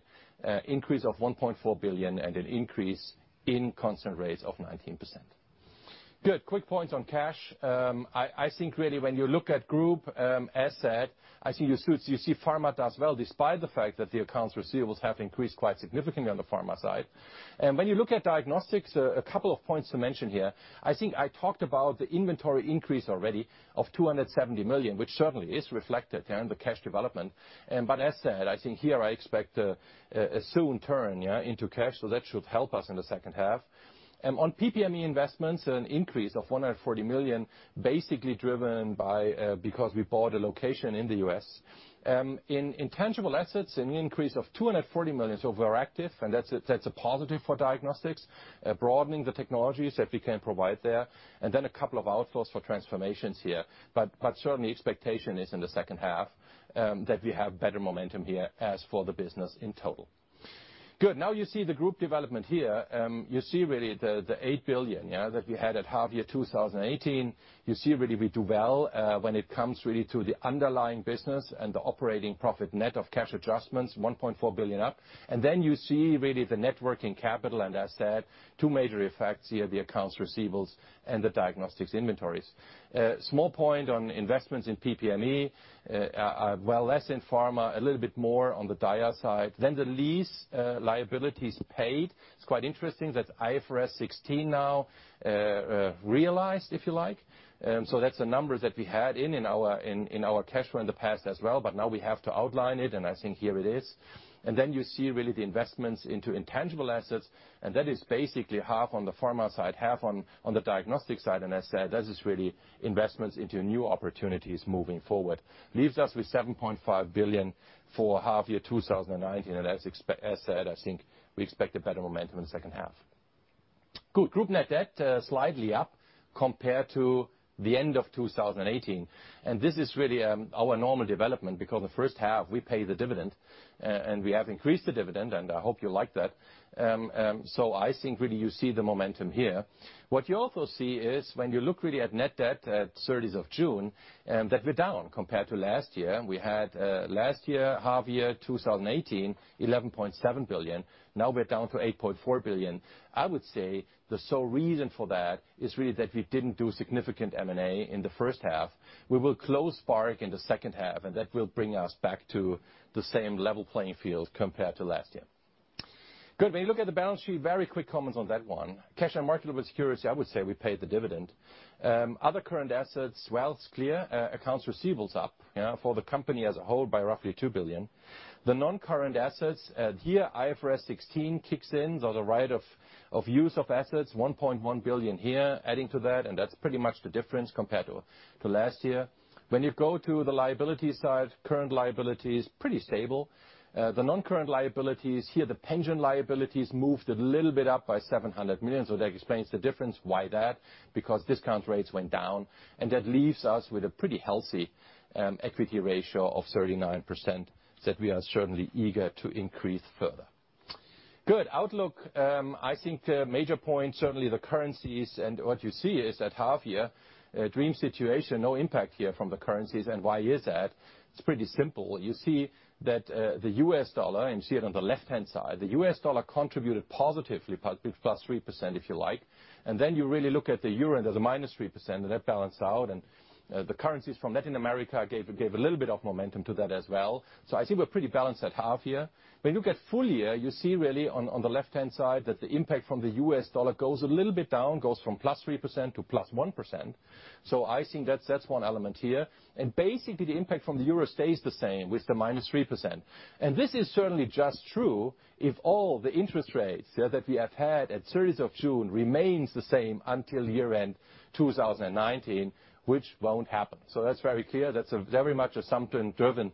increase of 1.4 billion, and an increase in constant rates of 19%. Good. Quick points on cash. I think really when you look at group asset, I think you see Pharma does well despite the fact that the accounts receivables have increased quite significantly on the Pharma side. When you look at Diagnostics, a couple of points to mention here. I think I talked about the inventory increase already of 270 million, which certainly is reflected there in the cash development. As said, I think here I expect a soon turn into cash, so that should help us in the second half. On PP&E investments, an increase of 140 million, basically driven by because we bought a location in the U.S. In intangible assets, an increase of 240 million. We're active, and that's a positive for diagnostics. Broadening the technologies that we can provide there. A couple of outflows for transformations here. Certainly expectation is in the second half, that we have better momentum here as for the business in total. Good. You see the group development here. You see really the 8 billion, that we had at half year 2018. You see really we do well when it comes really to the underlying business and the operating profit net of cash adjustments, 1.4 billion up. You see really the net working capital, and as said, two major effects here, the accounts receivables and the diagnostics inventories. Small point on investments in PP&E, are well less in pharma, a little bit more on the DIA side. The lease liabilities paid. It's quite interesting that IFRS 16 now realized, if you like. That's the numbers that we had in our cash flow in the past as well, but now we have to outline it, and I think here it is. You see really the investments into intangible assets, and that is basically half on the pharma side, half on the diagnostic side. I said, that is really investments into new opportunities moving forward. Leaves us with 7.5 billion for half year 2019. As said, I think we expect a better momentum in the second half. Good. Group net debt slightly up compared to the end of 2018. This is really our normal development because the first half we pay the dividend, and we have increased the dividend, and I hope you like that. I think really you see the momentum here. What you also see is when you look really at net debt at 30th of June, that we're down compared to last year. We had, last year, half year 2018, 11.7 billion. Now we're down to 8.4 billion. I would say the sole reason for that is really that we didn't do significant M&A in the first half. We will close Spark in the second half, and that will bring us back to the same level playing field compared to last year. Good. When you look at the balance sheet, very quick comments on that one. Cash and marketable securities, I would say we paid the dividend. Other current assets, it's clear, accounts receivable up for the company as a whole by roughly 2 billion. The non-current assets, here IFRS 16 kicks in. Those are right of use of assets, 1.1 billion here adding to that's pretty much the difference compared to last year. You go to the liability side, current liability is pretty stable. The non-current liabilities, here the pension liabilities moved a little bit up by 700 million. That explains the difference. Why that? Because discount rates went down, that leaves us with a pretty healthy equity ratio of 39% that we are certainly eager to increase further. Good. Outlook, I think the major point, certainly the currencies, what you see is that half-year, dream situation, no impact here from the currencies. Why is that? It's pretty simple. You see that the US dollar, and you see it on the left-hand side, the US dollar contributed positively, +3%, if you like. You really look at the EUR, and there's a -3%, and that balance out. The currencies from Latin America gave a little bit of momentum to that as well. I think we're pretty balanced at half year. When you look at full year, you see really on the left-hand side that the impact from the US dollar goes a little bit down, goes from +3% to +1%. I think that's one element here. Basically the impact from the EUR stays the same with the -3%. This is certainly just true if all the interest rates that we have had at 30th of June remains the same until year-end 2019, which won't happen. That's very clear. That's a very much assumption-driven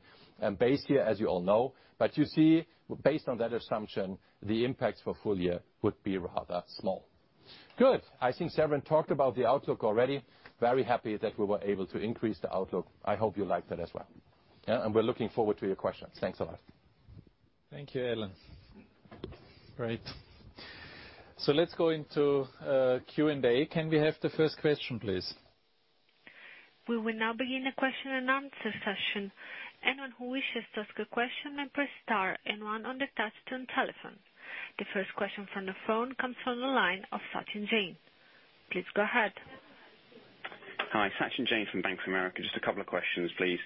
base here, as you all know. You see, based on that assumption, the impacts for full year would be rather small. Good. I think Severin talked about the outlook already. Very happy that we were able to increase the outlook. I hope you like that as well. We're looking forward to your questions. Thanks a lot. Thank you, Alan. Great. Let's go into Q&A. Can we have the first question, please? We will now begin a question and answer session. Anyone who wishes to ask a question now press star and one on the touchtone telephone. The first question from the phone comes from the line of Sachin Jain. Please go ahead. Hi. Sachin Jain from Bank of America. Just a couple of questions, please.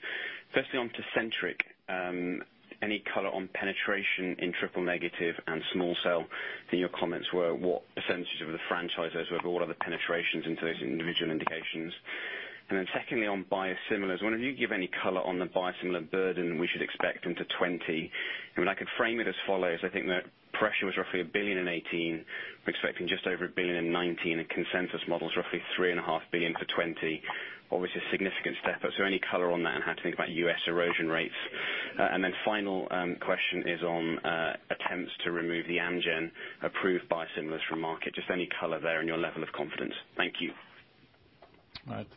Firstly, on TECENTRIQ. Any color on penetration in triple negative and small cell? I think your comments were what percentage of the franchise those were, but what are the penetrations into those individual indications? Secondly, on biosimilars. Wonder if you can give any color on the biosimilar burden we should expect into 2020. I mean, I could frame it as follows. I think the pressure was roughly 1 billion in 2018. We're expecting just over 1 billion in 2019, consensus model is roughly 3.5 billion for 2020, obviously a significant step up. Any color on that and how to think about U.S. erosion rates? Final question is on attempts to remove the Amgen approved biosimilars from market. Just any color there on your level of confidence. Thank you. Right.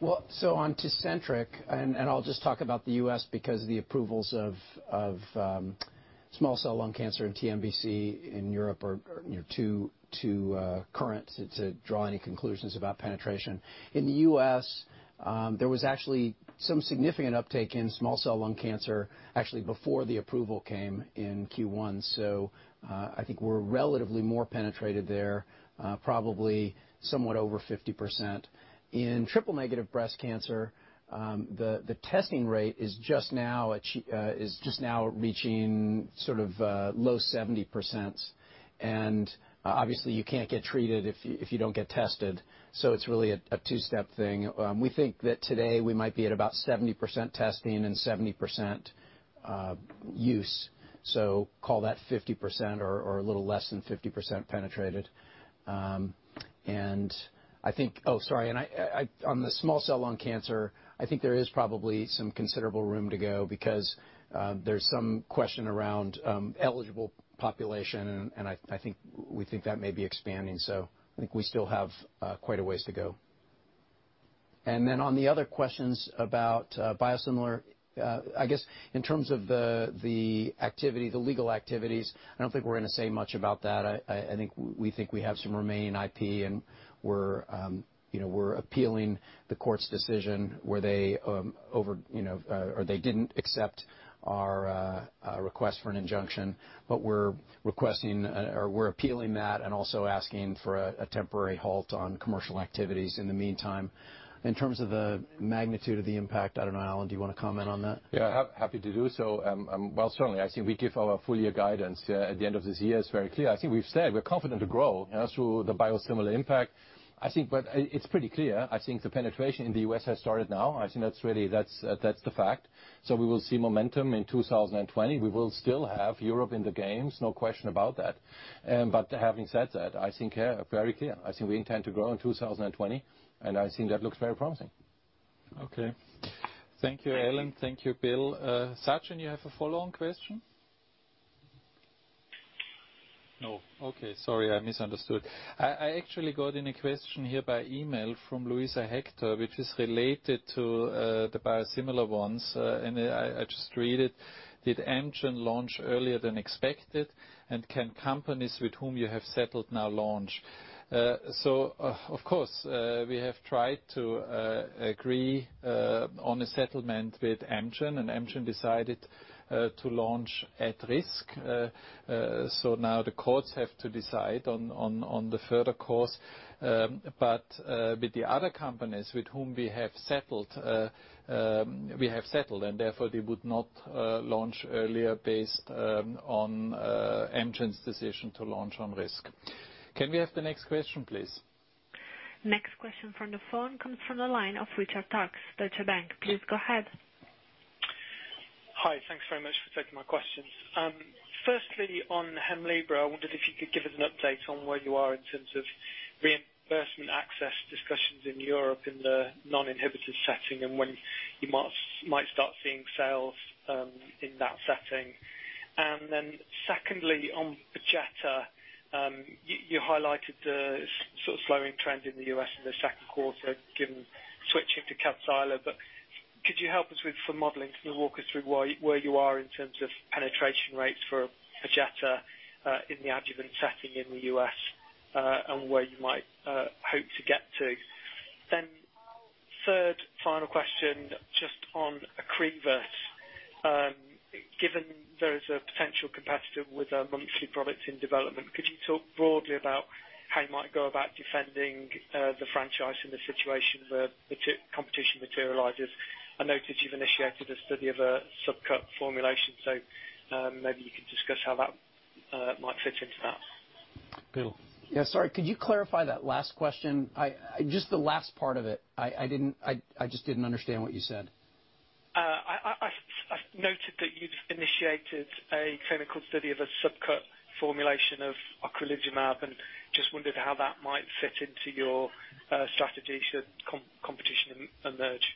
Well, on TECENTRIQ, and I'll just talk about the U.S. because the approvals of small cell lung cancer and TNBC in Europe are too current to draw any conclusions about penetration. In the U.S., there was actually some significant uptake in small cell lung cancer actually before the approval came in Q1. I think we're relatively more penetrated there, probably somewhat over 50%. In triple negative breast cancer, the testing rate is just now reaching sort of low 70%. Obviously you can't get treated if you don't get tested. It's really a two-step thing. We think that today we might be at about 70% testing and 70% use. Call that 50% or a little less than 50% penetrated. On the small cell lung cancer, I think there is probably some considerable room to go because there's some question around eligible population, and we think that may be expanding. I think we still have quite a ways to go. On the other questions about biosimilar, I guess in terms of the legal activities, I don't think we're going to say much about that. I think we have some remaining IP and we're appealing the court's decision where they didn't accept our request for an injunction, but we're appealing that and also asking for a temporary halt on commercial activities in the meantime. In terms of the magnitude of the impact, I don't know, Alan, do you want to comment on that? Yeah, happy to do so. Well, certainly, I think we give our full year guidance at the end of this year. It's very clear. I think we've said we're confident to grow through the biosimilar impact. I think it's pretty clear. I think the penetration in the U.S. has started now. I think that's the fact. We will see momentum in 2020. We will still have Europe in the games, no question about that. Having said that, I think very clear. I think we intend to grow in 2020, and I think that looks very promising. Thank you, Alan. Thank you, Bill. Sachin, you have a follow-on question? No. Okay. Sorry, I misunderstood. I actually got in a question here by email from Luisa Hector, which is related to the biosimilar ones. I just read it. Did Amgen launch earlier than expected? Can companies with whom you have settled now launch? Of course, we have tried to agree on a settlement with Amgen, and Amgen decided to launch at risk. Now the courts have to decide on the further course. With the other companies with whom we have settled, we have settled, and therefore they would not launch earlier based on Amgen's decision to launch on risk. Can we have the next question, please? Next question from the phone comes from the line of Richard Parkes, Deutsche Bank. Please go ahead. Hi. Thanks very much for taking my questions. Firstly, on HEMLIBRA, I wondered if you could give us an update on where you are in terms of reimbursement access discussions in Europe in the non-inhibited setting and when you might start seeing sales in that setting. Secondly, on PERJETA, you highlighted the sort of slowing trend in the U.S. in the second quarter given switching to KADCYLA, but could you help us with some modeling? Can you walk us through where you are in terms of penetration rates for PERJETA in the adjuvant setting in the U.S., and where you might hope to get to? Third, final question, just on Ocrevus. Given there is a potential competitor with a monthly product in development, could you talk broadly about how you might go about defending the franchise in the situation where competition materializes? I noted you've initiated a study of a subcut formulation, so maybe you could discuss how that might fit into that? Bill. Yeah. Sorry. Could you clarify that last question? Just the last part of it. I just didn't understand what you said. I noted that you've initiated a clinical study of a subcut formulation of ocrelizumab and just wondered how that might fit into your strategy should competition emerge?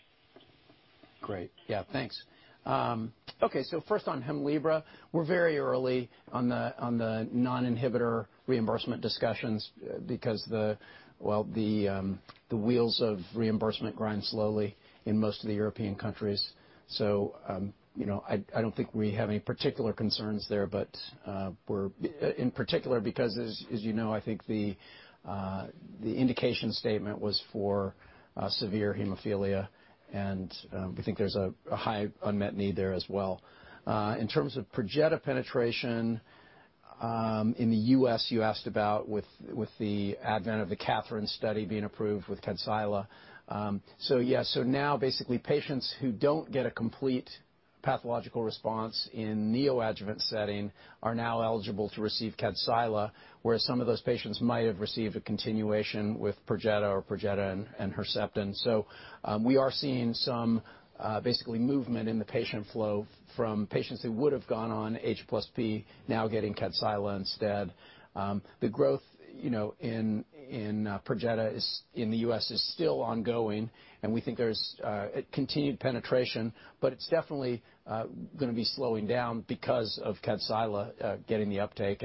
Great. Yeah, thanks. Okay. First on HEMLIBRA, we're very early on the non-inhibitor reimbursement discussions because, well, the wheels of reimbursement grind slowly in most of the European countries. I don't think we have any particular concerns there, but in particular, because as you know, I think the indication statement was for severe hemophilia, and we think there's a high unmet need there as well. In terms of PERJETA penetration in the U.S., you asked about with the advent of the KATHERINE study being approved with KADCYLA. Yeah. Now basically patients who don't get a complete pathological response in neoadjuvant setting are now eligible to receive KADCYLA, where some of those patients might have received a continuation with PERJETA or PERJETA and HERCEPTIN. We are seeing some basically movement in the patient flow from patients who would have gone on H+P now getting KADCYLA instead. The growth in PERJETA in the U.S. is still ongoing. We think there's a continued penetration, but it's definitely going to be slowing down because of KADCYLA getting the uptake.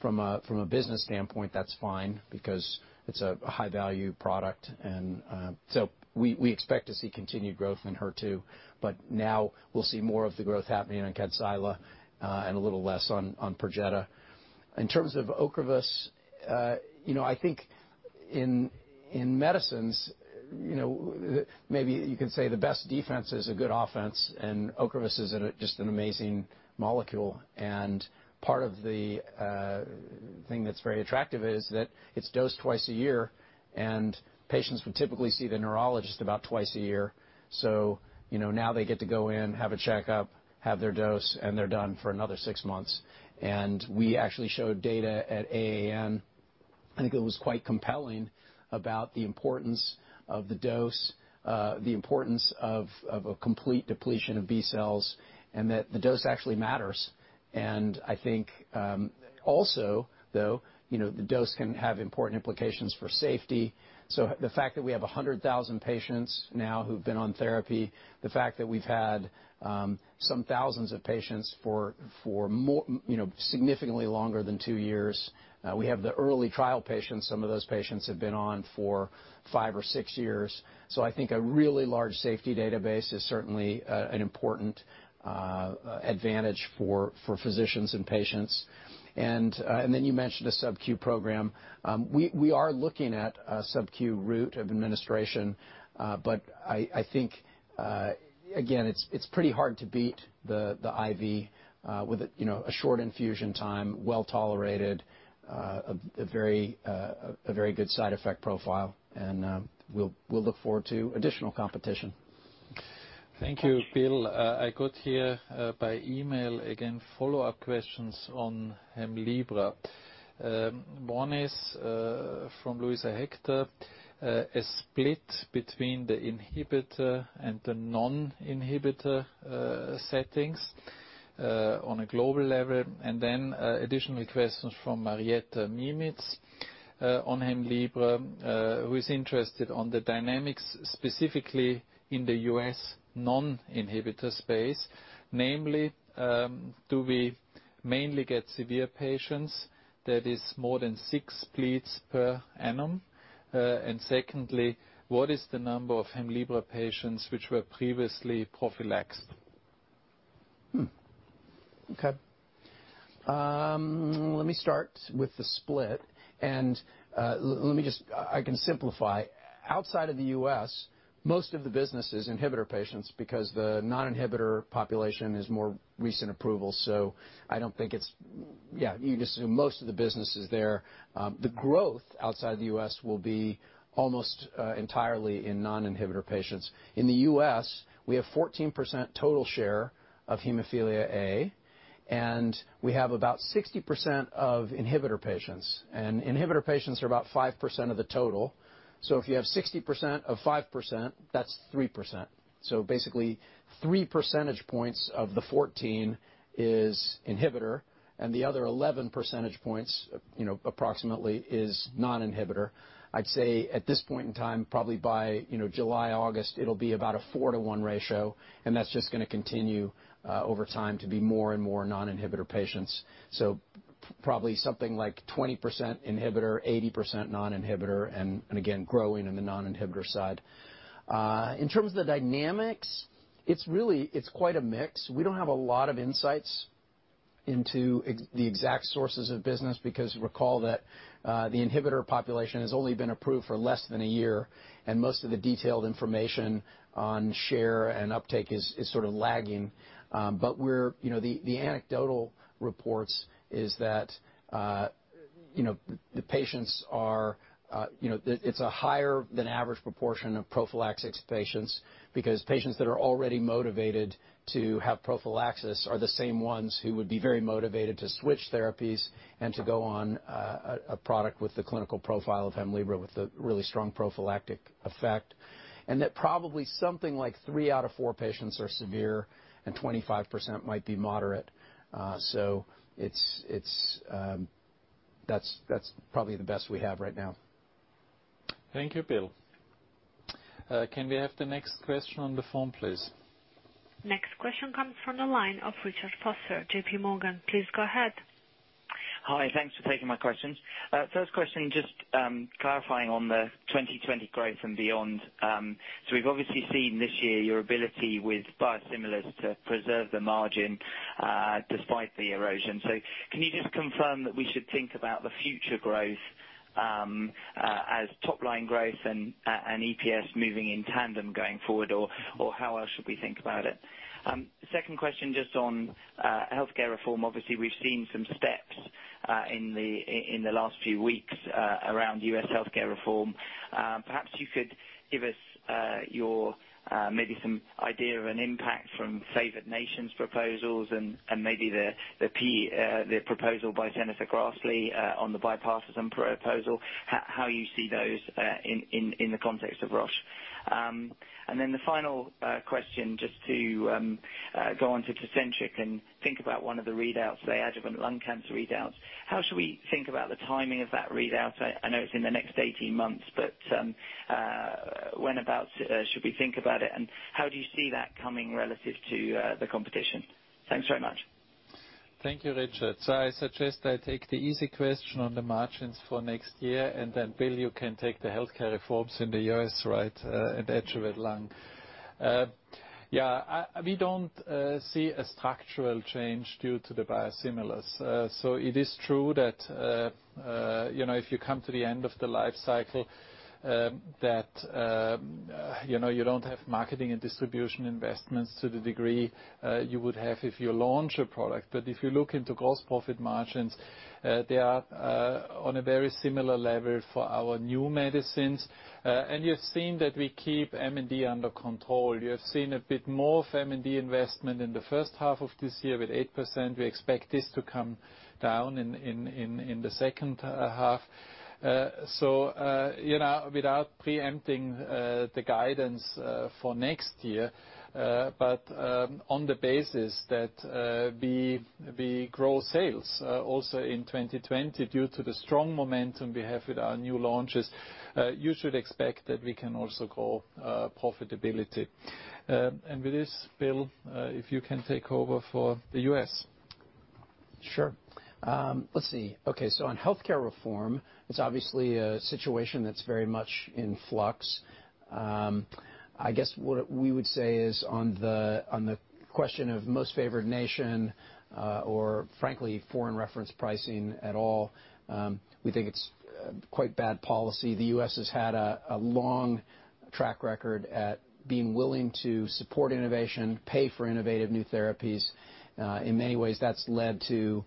From a business standpoint, that's fine because it's a high-value product. We expect to see continued growth in HER2. Now we'll see more of the growth happening on KADCYLA, and a little less on PERJETA. In terms of Ocrevus, I think maybe you can say the best defense is a good offense. Ocrevus is just an amazing molecule. Part of the thing that's very attractive is that it's dosed twice a year. Patients would typically see their neurologist about twice a year. Now they get to go in, have a checkup, have their dose, and they're done for another six months. We actually showed data at AAN, I think it was quite compelling, about the importance of the dose, the importance of a complete depletion of B-cells, and that the dose actually matters. I think also, though, the dose can have important implications for safety. The fact that we have 100,000 patients now who've been on therapy, the fact that we've had some thousands of patients for significantly longer than two years. We have the early trial patients. Some of those patients have been on for five or six years. I think a really large safety database is certainly an important advantage for physicians and patients. Then you mentioned a subQ program. We are looking at a subQ route of administration. I think, again, it's pretty hard to beat the IV with a short infusion time, well-tolerated, a very good side effect profile, and we'll look forward to additional competition. Thank you, Bill. I got here by email, again, follow-up questions on HEMLIBRA. One is from Luisa Hector, a split between the inhibitor and the non-inhibitor settings on a global level, and then additional questions from Marietta Mimietz on HEMLIBRA who is interested on the dynamics specifically in the U.S. non-inhibitor space. Namely, do we mainly get severe patients, that is more than six bleeds per annum? Secondly, what is the number of HEMLIBRA patients which were previously prophylaxed? Okay. Let me start with the split and I can simplify. Outside of the U.S., most of the business is inhibitor patients because the non-inhibitor population is more recent approval. I don't think it's Yeah, you can assume most of the business is there. The growth outside the U.S. will be almost entirely in non-inhibitor patients. In the U.S., we have 14% total share of hemophilia A, and we have about 60% of inhibitor patients. Inhibitor patients are about 5% of the total. If you have 60% of 5%, that's 3%. Basically three percentage points of the 14 is inhibitor, and the other 11 percentage points, approximately, is non-inhibitor. I'd say at this point in time, probably by July, August, it'll be about a four to one ratio, and that's just going to continue over time to be more and more non-inhibitor patients. Probably something like 20% inhibitor, 80% non-inhibitor, and again, growing in the non-inhibitor side. In terms of the dynamics, it's quite a mix. We don't have a lot of insights into the exact sources of business because recall that the inhibitor population has only been approved for less than a year, and most of the detailed information on share and uptake is sort of lagging. The anecdotal reports is that It's a higher than average proportion of prophylactic patients because patients that are already motivated to have prophylaxis are the same ones who would be very motivated to switch therapies and to go on a product with the clinical profile of HEMLIBRA with a really strong prophylactic effect. That probably something like three out of four patients are severe and 25% might be moderate. That's probably the best we have right now. Thank you, Bill. Can we have the next question on the phone, please? Next question comes from the line of Richard Vosser, JPMorgan. Please go ahead. Hi, thanks for taking my questions. First question, just clarifying on the 2020 growth and beyond. We've obviously seen this year your ability with biosimilars to preserve the margin despite the erosion. Can you just confirm that we should think about the future growth as top line growth and EPS moving in tandem going forward, or how else should we think about it? Second question, just on healthcare reform. Obviously, we've seen some steps in the last few weeks around U.S. healthcare reform. Perhaps you could give us maybe some idea of an impact from favored nations proposals and maybe the proposal by Chuck Grassley on the bipartisan proposal, how you see those in the context of Roche. The final question, just to go on to TECENTRIQ and think about one of the readouts, the adjuvant lung cancer readouts. How should we think about the timing of that readout? I know it's in the next 18 months, but when about should we think about it, and how do you see that coming relative to the competition? Thanks very much. Thank you, Richard. I suggest I take the easy question on the margins for next year, and then Bill, you can take the healthcare reforms in the U.S., right? Adjuvant lung. Yeah. We don't see a structural change due to the biosimilars. It is true that if you come to the end of the life cycle, that you don't have marketing and distribution investments to the degree you would have if you launch a product. If you look into gross profit margins, they are on a very similar level for our new medicines. You're seeing that we keep M&D under control. You have seen a bit more of M&D investment in the first half of this year with 8%. We expect this to come down in the second half. Without preempting the guidance for next year, but on the basis that we grow sales also in 2020 due to the strong momentum we have with our new launches, you should expect that we can also grow profitability. With this, Bill, if you can take over for the U.S. Sure. Let's see. Okay. On healthcare reform, it's obviously a situation that's very much in flux. I guess what we would say is on the question of most favored nation, or frankly, foreign reference pricing at all, we think it's quite bad policy. The U.S. has had a long track record at being willing to support innovation, pay for innovative new therapies. In many ways, that's led to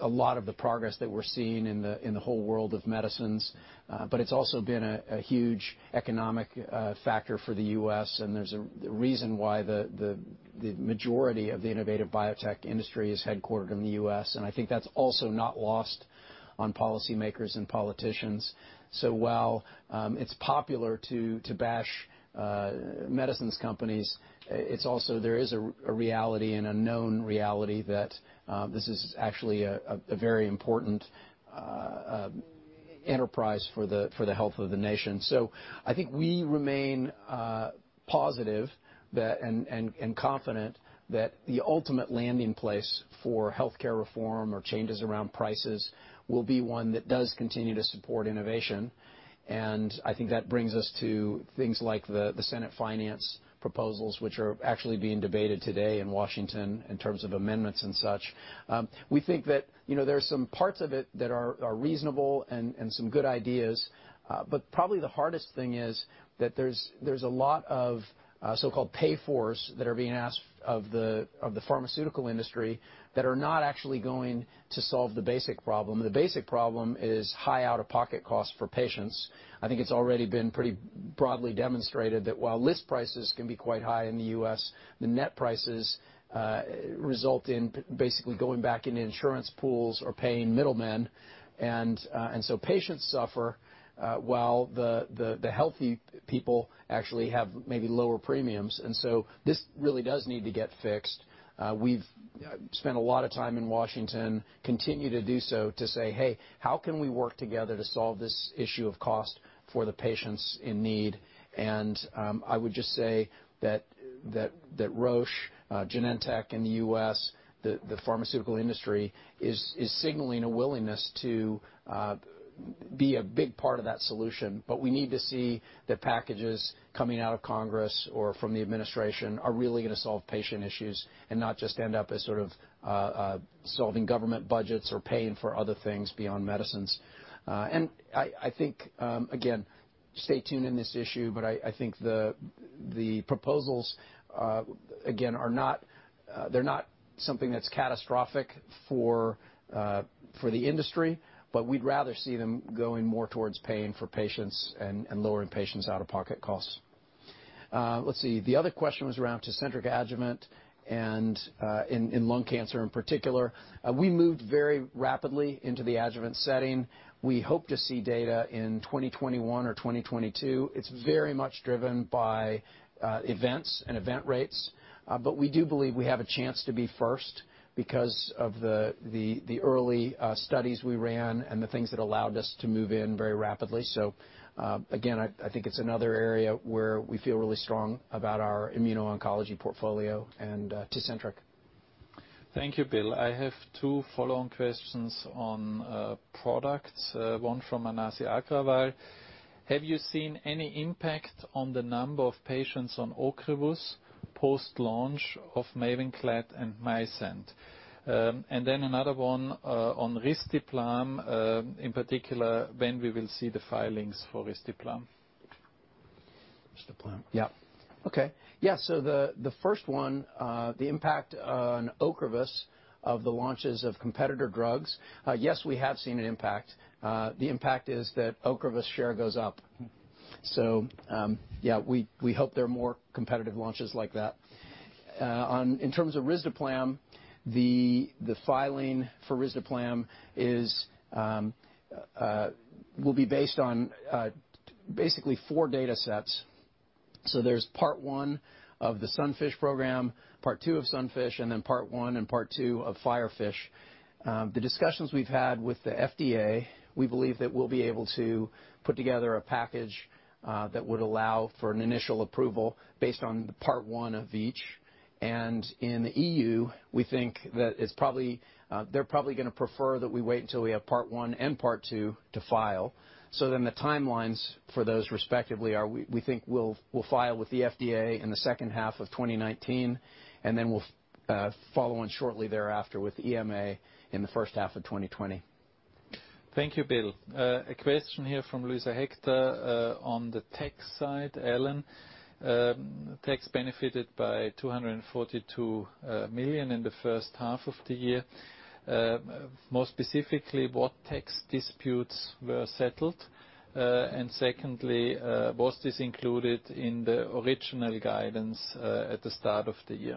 a lot of the progress that we're seeing in the whole world of medicines. It's also been a huge economic factor for the U.S. and there's a reason why the majority of the innovative biotech industry is headquartered in the U.S., and I think that's also not lost on policymakers and politicians. While it's popular to bash medicines companies, there is a reality and a known reality that this is actually a very important enterprise for the health of the nation. I think we remain positive and confident that the ultimate landing place for healthcare reform or changes around prices will be one that does continue to support innovation. I think that brings us to things like the Senate finance proposals, which are actually being debated today in Washington in terms of amendments and such. We think that there's some parts of it that are reasonable and some good ideas. Probably the hardest thing is that there's a lot of so-called pay-fors that are being asked of the pharmaceutical industry that are not actually going to solve the basic problem. The basic problem is high out-of-pocket costs for patients. I think it's already been pretty broadly demonstrated that while list prices can be quite high in the U.S., the net prices result in basically going back into insurance pools or paying middlemen. Patients suffer while the healthy people actually have maybe lower premiums. This really does need to get fixed. We've spent a lot of time in Washington, continue to do so to say, "Hey, how can we work together to solve this issue of cost for the patients in need?" I would just say that Roche, Genentech in the U.S., the pharmaceutical industry, is signaling a willingness to be a big part of that solution. We need to see the packages coming out of Congress or from the administration are really going to solve patient issues and not just end up as sort of solving government budgets or paying for other things beyond medicines. I think, again, stay tuned in this issue, but I think the proposals, again, they're not something that's catastrophic for the industry, but we'd rather see them going more towards paying for patients and lowering patients' out-of-pocket costs. Let's see. The other question was around TECENTRIQ adjuvant and in lung cancer in particular. We moved very rapidly into the adjuvant setting. We hope to see data in 2021 or 2022. It's very much driven by events and event rates. We do believe we have a chance to be first because of the early studies we ran and the things that allowed us to move in very rapidly. Again, I think it's another area where we feel really strong about our immuno-oncology portfolio and TECENTRIQ. Thank you, Bill. I have two follow-on questions on products. One from Manasi Agrawal. Have you seen any impact on the number of patients on Ocrevus post-launch of MAVENCLAD and Mayzent? Another one on risdiplam, in particular, when we will see the filings for risdiplam? Risdiplam. The first one, the impact on Ocrevus of the launches of competitor drugs. We have seen an impact. The impact is that Ocrevus share goes up. We hope there are more competitive launches like that. In terms of risdiplam, the filing for risdiplam will be based on basically four data sets. There's part 1 of the SUNFISH program, part 2 of SUNFISH, and then part 1 and part 2 of FIREFISH. The discussions we've had with the FDA, we believe that we'll be able to put together a package that would allow for an initial approval based on part 1 of each. In the EU, we think that they're probably going to prefer that we wait until we have part 1 and part 2 to file. The timelines for those respectively are, we think we'll file with the FDA in the second half of 2019, and then we'll follow on shortly thereafter with EMA in the first half of 2020. Thank you, Bill. A question here from Luisa Hector on the tax side. Alan, tax benefited by 242 million in the first half of the year. More specifically, what tax disputes were settled? Secondly, was this included in the original guidance at the start of the year?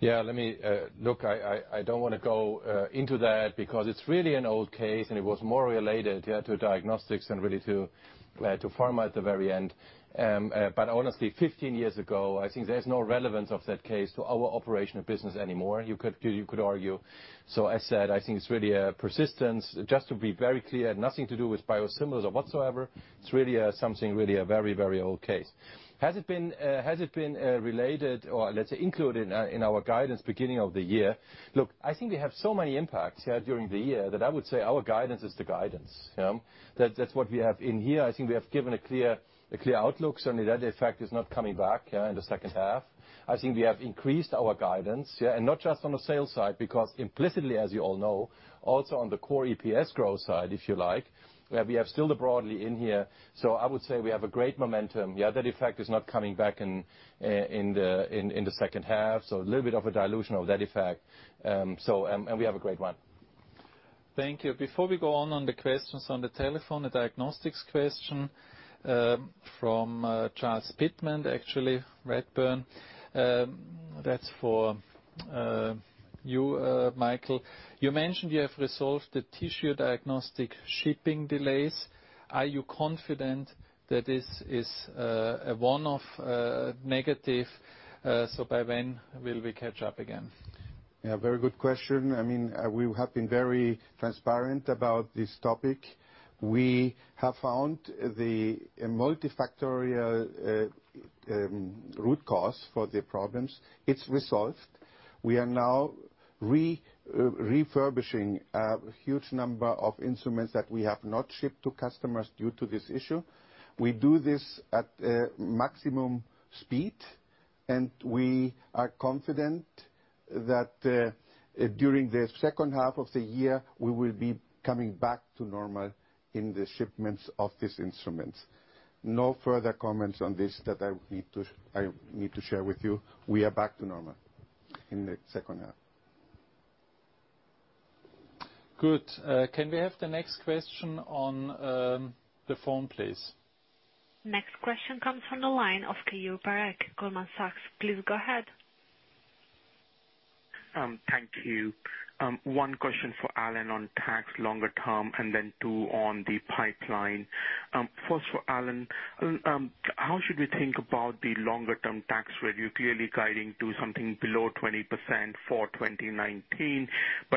Look, I don't want to go into that because it's really an old case, and it was more related to diagnostics than really to pharma at the very end. Honestly, 15 years ago, I think there's no relevance of that case to our operation of business anymore, you could argue. As said, I think it's really a persistence. Just to be very clear, nothing to do with biosimilars or whatsoever. It's really something, a very old case. Has it been related, or let's say included, in our guidance beginning of the year? Look, I think we have so many impacts during the year that I would say our guidance is the guidance. That's what we have in here. I think we have given a clear outlook, certainly that effect is not coming back in the second half. I think we have increased our guidance, and not just on the sales side, because implicitly, as you all know, also on the core EPS growth side, if you like, we have still the broadly in here. I would say we have a great momentum. The other effect is not coming back in the second half, so a little bit of a dilution of that effect. We have a great one. Thank you. Before we go on the questions on the telephone, a diagnostics question from Charles Pitman, actually Redburn. That's for you, Michael. You mentioned you have resolved the tissue diagnostic shipping delays. Are you confident that this is a one-off negative? By when will we catch up again? Yeah. Very good question. We have been very transparent about this topic. We have found the multifactorial root cause for the problems. It's resolved. We are now refurbishing a huge number of instruments that we have not shipped to customers due to this issue. We do this at maximum speed, and we are confident that during the second half of the year, we will be coming back to normal in the shipments of these instruments. No further comments on this that I need to share with you. We are back to normal in the second half. Good. Can we have the next question on the phone, please? Next question comes from the line of Caio Barek, Goldman Sachs. Please go ahead. Thank you. One question for Alan on tax longer term, then two on the pipeline. First, for Alan, how should we think about the longer term tax rate? You are clearly guiding to something below 20% for 2019.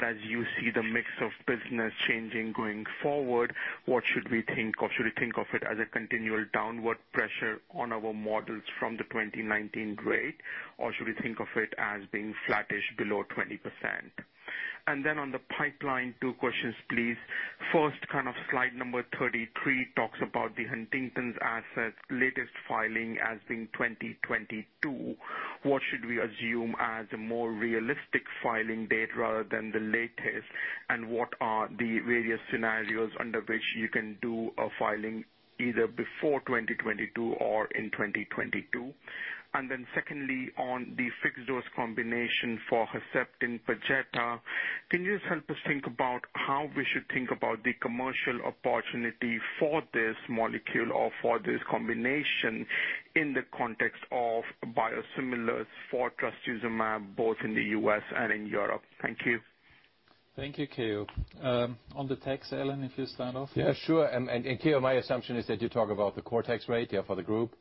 As you see the mix of business changing going forward, what should we think? Should we think of it as a continual downward pressure on our models from the 2019 rate, or should we think of it as being flattish below 20%? On the pipeline, two questions, please. First, slide number 33 talks about the Huntington's assets latest filing as being 2022. What should we assume as a more realistic filing date rather than the latest, and what are the various scenarios under which you can do a filing either before 2022 or in 2022? Secondly, on the fixed-dose combination for Herceptin/PERJETA, can you just help us think about how we should think about the commercial opportunity for this molecule or for this combination in the context of biosimilars for trastuzumab, both in the U.S. and in Europe? Thank you. Thank you, Caio. On the tax, Alan, if you start off? Yeah, sure. Caio, my assumption is that you talk about the core tax rate for the group,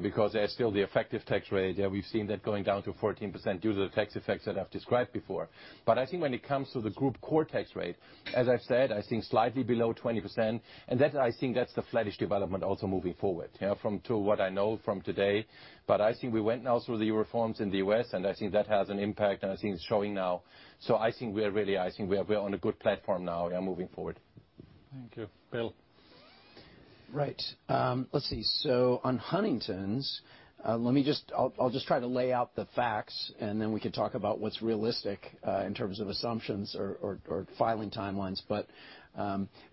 because there is still the effective tax rate. We've seen that going down to 14% due to the tax effects that I've described before. I think when it comes to the group core tax rate, as I've said, I think slightly below 20%, and that I think that's the flattish development also moving forward to what I know from today. I think we went now through the reforms in the U.S., and I think that has an impact, and I think it's showing now. I think we are on a good platform now, moving forward. Thank you. Bill. Right. Let's see. On Huntington's, I'll just try to lay out the facts, and then we can talk about what's realistic in terms of assumptions or filing timelines.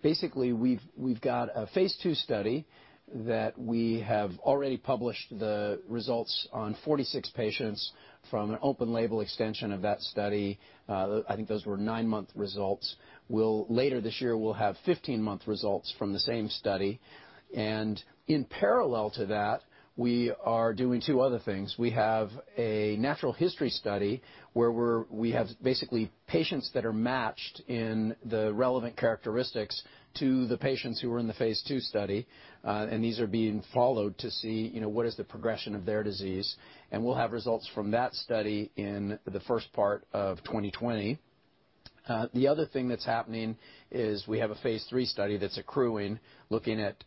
Basically, we've got a phase II study that we have already published the results on 46 patients from an open-label extension of that study. I think those were 9-month results. Later this year, we'll have 15-month results from the same study. In parallel to that, we are doing two other things. We have a natural history study where we have basically patients that are matched in the relevant characteristics to the patients who are in the phase II study. These are being followed to see what is the progression of their disease. We'll have results from that study in the first part of 2020. The other thing that's happening is we have a phase III study that's accruing, looking at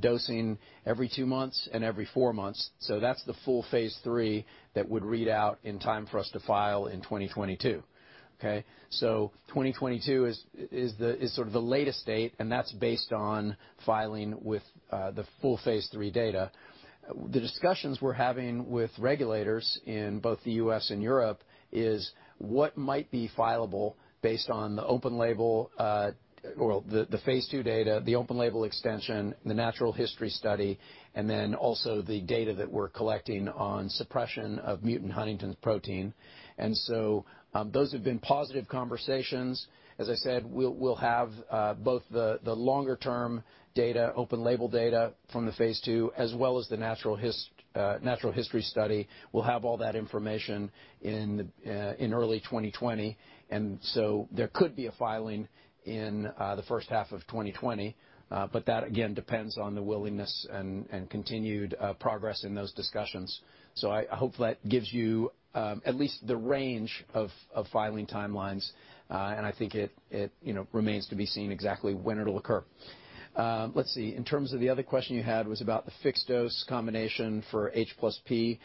dosing every 2 months and every 4 months. That's the full phase III that would read out in time for us to file in 2022. 2022 is sort of the latest date, and that's based on filing with the full phase III data. The discussions we're having with regulators in both the U.S. and Europe is what might be fileable based on the open label or the phase II data, the open label extension, the natural history study, and then also the data that we're collecting on suppression of mutant huntingtin protein. Those have been positive conversations. As I said, we'll have both the longer-term data, open label data from the phase II, as well as the natural history study. We'll have all that information in early 2020. There could be a filing in the first half of 2020. That, again, depends on the willingness and continued progress in those discussions. I hope that gives you at least the range of filing timelines, and I think it remains to be seen exactly when it'll occur. Let's see. In terms of the other question you had was about the fixed dose combination for H+P.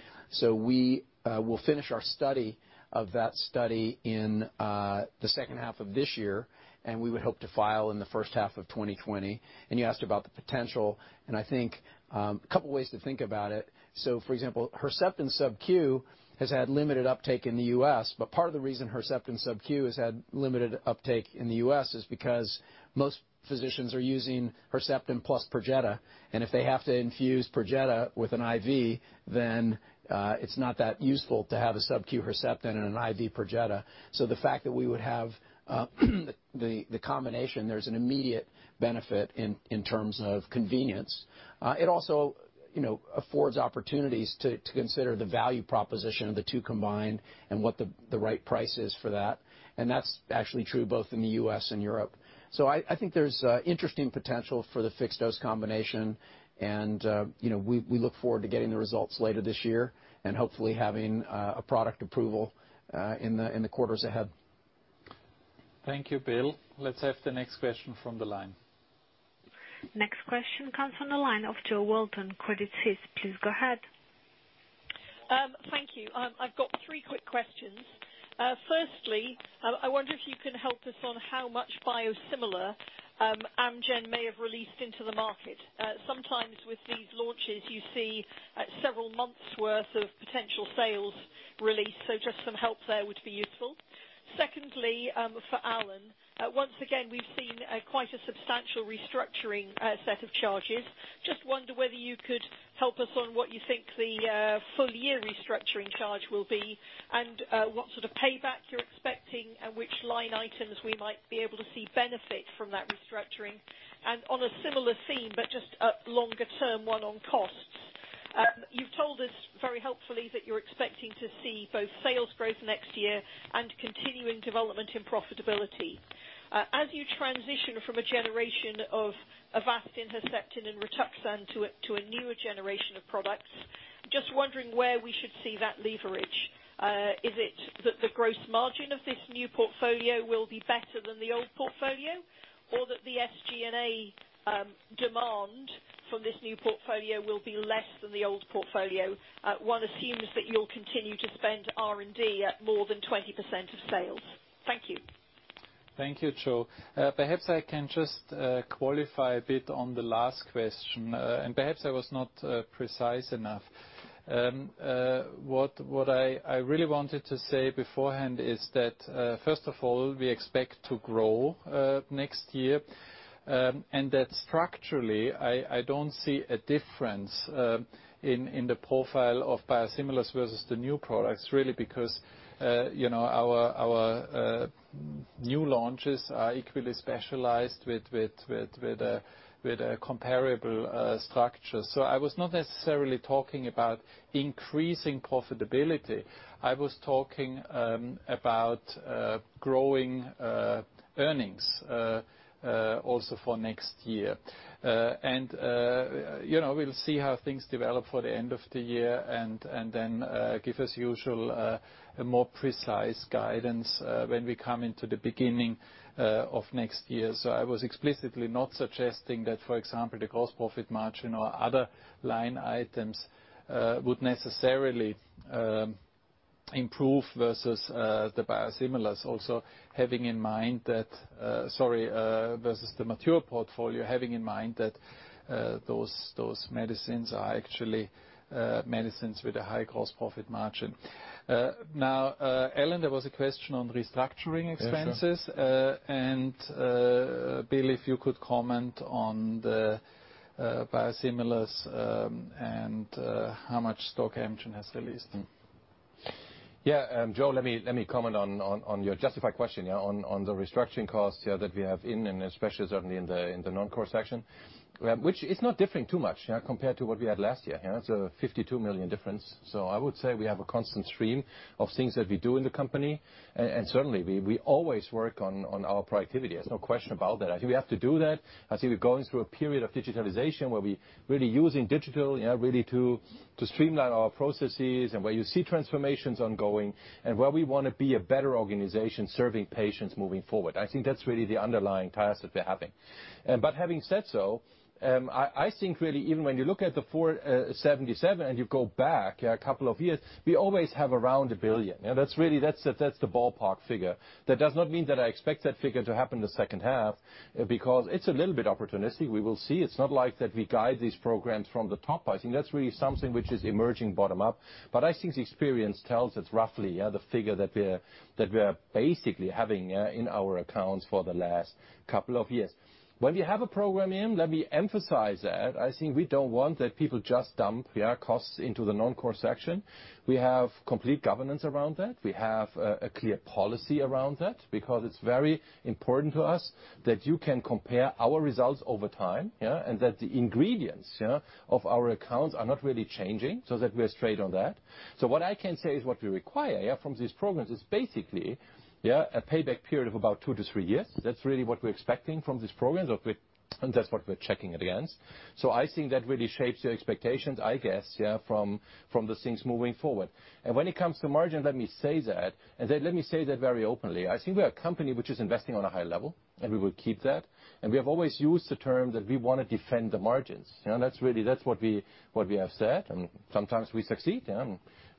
We will finish our study of that study in the second half of this year, and we would hope to file in the first half of 2020. You asked about the potential, and I think, a couple ways to think about it. For example, Herceptin subQ has had limited uptake in the U.S., but part of the reason Herceptin subQ has had limited uptake in the U.S. is because most physicians are using Herceptin plus PERJETA. If they have to infuse PERJETA with an IV, then it's not that useful to have a subQ Herceptin and an IV PERJETA. The fact that we would have the combination, there's an immediate benefit in terms of convenience. It also affords opportunities to consider the value proposition of the two combined and what the right price is for that. That's actually true both in the U.S. and Europe. I think there's interesting potential for the fixed dose combination and we look forward to getting the results later this year and hopefully having a product approval in the quarters ahead. Thank you, Bill. Let's have the next question from the line. Next question comes from the line of Jo Walton, Credit Suisse. Please go ahead. Thank you. I've got three quick questions. Firstly, I wonder if you can help us on how much biosimilar Amgen may have released into the market. Sometimes with these launches you see several months' worth of potential sales released, so just some help there would be useful. Secondly, for Alan, once again we've seen quite a substantial restructuring set of charges. Wonder whether you could help us on what you think the full year restructuring charge will be and what sort of payback you're expecting and which line items we might be able to see benefit from that restructuring. On a similar theme, but just a longer term one on costs. You've told us very helpfully that you're expecting to see both sales growth next year and continuing development in profitability. As you transition from a generation of Avastin, Herceptin, and RITUXAN to a newer generation of products, just wondering where we should see that leverage. Is it that the gross margin of this new portfolio will be better than the old portfolio or that the SG&A demand from this new portfolio will be less than the old portfolio? One assumes that you'll continue to spend R&D at more than 20% of sales. Thank you. Thank you, Jo. Perhaps I can just qualify a bit on the last question, and perhaps I was not precise enough. What I really wanted to say beforehand is that, first of all, we expect to grow next year, and that structurally, I don't see a difference in the profile of biosimilars versus the new products, really because our new launches are equally specialized with a comparable structure. I was not necessarily talking about increasing profitability. I was talking about growing earnings also for next year. We'll see how things develop for the end of the year and then give as usual, a more precise guidance when we come into the beginning of next year. I was explicitly not suggesting that, for example, the gross profit margin or other line items would necessarily improve versus the biosimilars. Also versus the mature portfolio, having in mind that those medicines are actually medicines with a high gross profit margin. Now, Alan, there was a question on restructuring expenses. Yeah, sure. Bill, if you could comment on the biosimilars, and how much stock Amgen has released. Yeah. Jo, let me comment on your justified question on the restructuring costs that we have in, and especially certainly in the non-core section, which is not differing too much compared to what we had last year. It's a 52 million difference. I would say we have a constant stream of things that we do in the company. Certainly, we always work on our productivity. There's no question about that. I think we have to do that. I think we're going through a period of digitalization where we're really using digital to streamline our processes and where you see transformations ongoing and where we want to be a better organization serving patients moving forward. I think that's really the underlying task that we're having. Having said so, I think really even when you look at the 477 and you go back a couple of years, we always have around 1 billion. That's the ballpark figure. That does not mean that I expect that figure to happen the second half, because it's a little bit opportunistic. We will see. It's not like that we guide these programs from the top. I think that's really something which is emerging bottom up. I think the experience tells us roughly, the figure that we're basically having in our accounts for the last couple of years. When we have a program in, let me emphasize that, I think we don't want that people just dump PR costs into the non-core section. We have complete governance around that. We have a clear policy around that because it's very important to us that you can compare our results over time. That the ingredients of our accounts are not really changing, so that we are straight on that. What I can say is what we require from these programs is basically a payback period of about 2-3 years. That's really what we're expecting from these programs, or that's what we're checking it against. I think that really shapes the expectations, I guess, from the things moving forward. When it comes to margin, let me say that very openly. I think we are a company which is investing on a high level, and we will keep that. We have always used the term that we want to defend the margins. That's what we have said, and sometimes we succeed.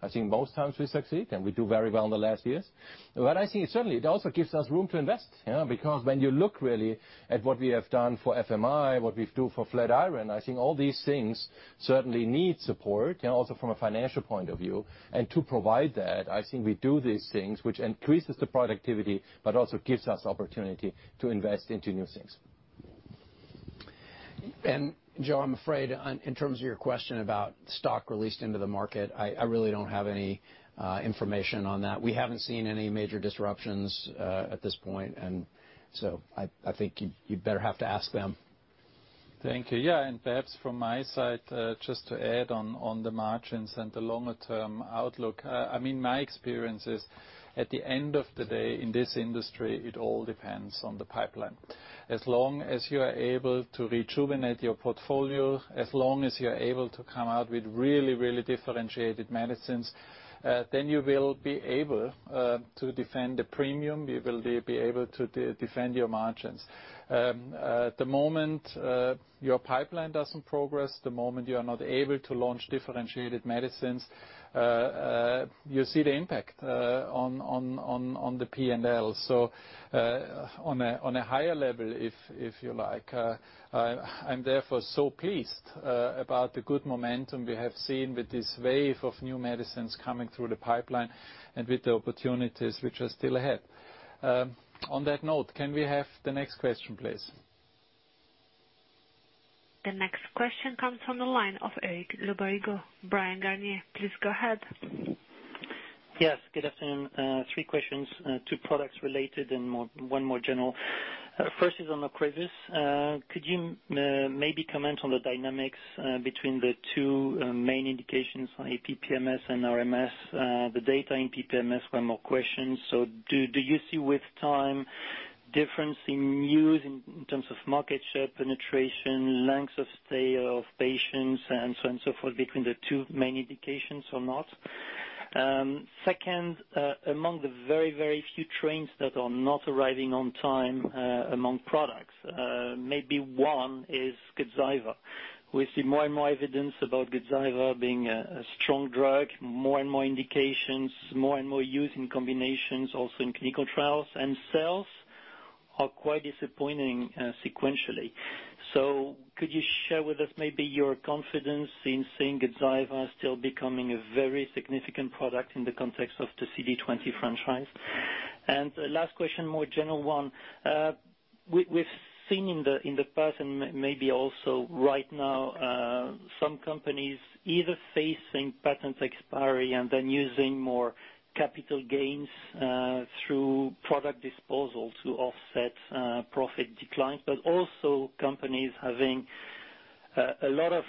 I think most times we succeed, and we do very well in the last years. What I see certainly, it also gives us room to invest. Because when you look really at what we have done for FMI, what we do for Flatiron Health, I think all these things certainly need support, and also from a financial point of view. To provide that, I think we do these things, which increases the productivity but also gives us opportunity to invest into new things. Jo, I'm afraid in terms of your question about stock released into the market, I really don't have any information on that. We haven't seen any major disruptions at this point. So I think you better have to ask them. Thank you. Yeah, perhaps from my side, just to add on the margins and the longer-term outlook. My experience is, at the end of the day, in this industry, it all depends on the pipeline. As long as you are able to rejuvenate your portfolio, as long as you're able to come out with really, really differentiated medicines, you will be able to defend the premium, you will be able to defend your margins. The moment your pipeline doesn't progress, the moment you are not able to launch differentiated medicines, you see the impact on the P&L. On a higher level, if you like, I'm therefore so pleased about the good momentum we have seen with this wave of new medicines coming through the pipeline and with the opportunities which are still ahead. On that note, can we have the next question, please? The next question comes from the line of Eric Le Berrigaud. Bryan, Garnier & Co, please go ahead. Yes. Good afternoon. Three questions, two products related and one more general. First is on the Ocrevus. Could you maybe comment on the dynamics between the two main indications on PPMS and RMS? The data in PPMS were more questions. Do you see with time difference in use in terms of market share, penetration, length of stay of patients, and so on and so forth between the two main indications or not? Second, among the very, very few trains that are not arriving on time among products, maybe one is GAZYVA. We see more and more evidence about GAZYVA being a strong drug, more and more indications, more and more use in combinations, also in clinical trials, and sales are quite disappointing sequentially. Could you share with us maybe your confidence in seeing GAZYVA still becoming a very significant product in the context of the CD20 franchise? Last question, more general one. We've seen in the past and maybe also right now, some companies either facing patent expiry and then using more capital gains through product disposal to offset profit decline. Also companies having a lot of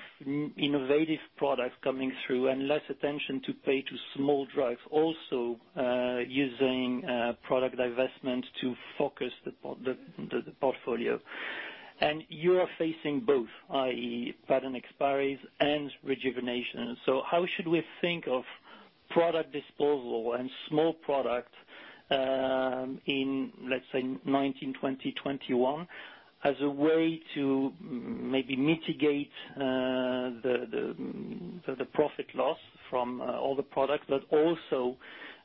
innovative products coming through and less attention to pay to small drugs, also using product divestment to focus the portfolio. You are facing both, i.e., patent expiries and rejuvenation. How should we think of product disposal and small product in, let's say, 2019, 2020, 2021, as a way to maybe mitigate the profit loss from all the products, but also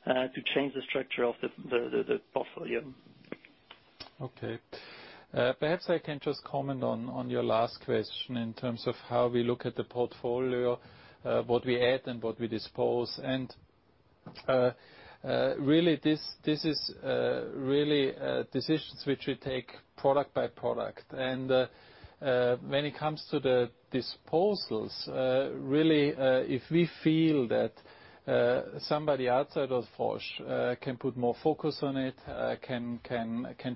to change the structure of the portfolio? Okay. Perhaps I can just comment on your last question in terms of how we look at the portfolio, what we add and what we dispose. Really, this is decisions which we take product by product. When it comes to the disposals. Really, if we feel that somebody outside of Roche can put more focus on it, can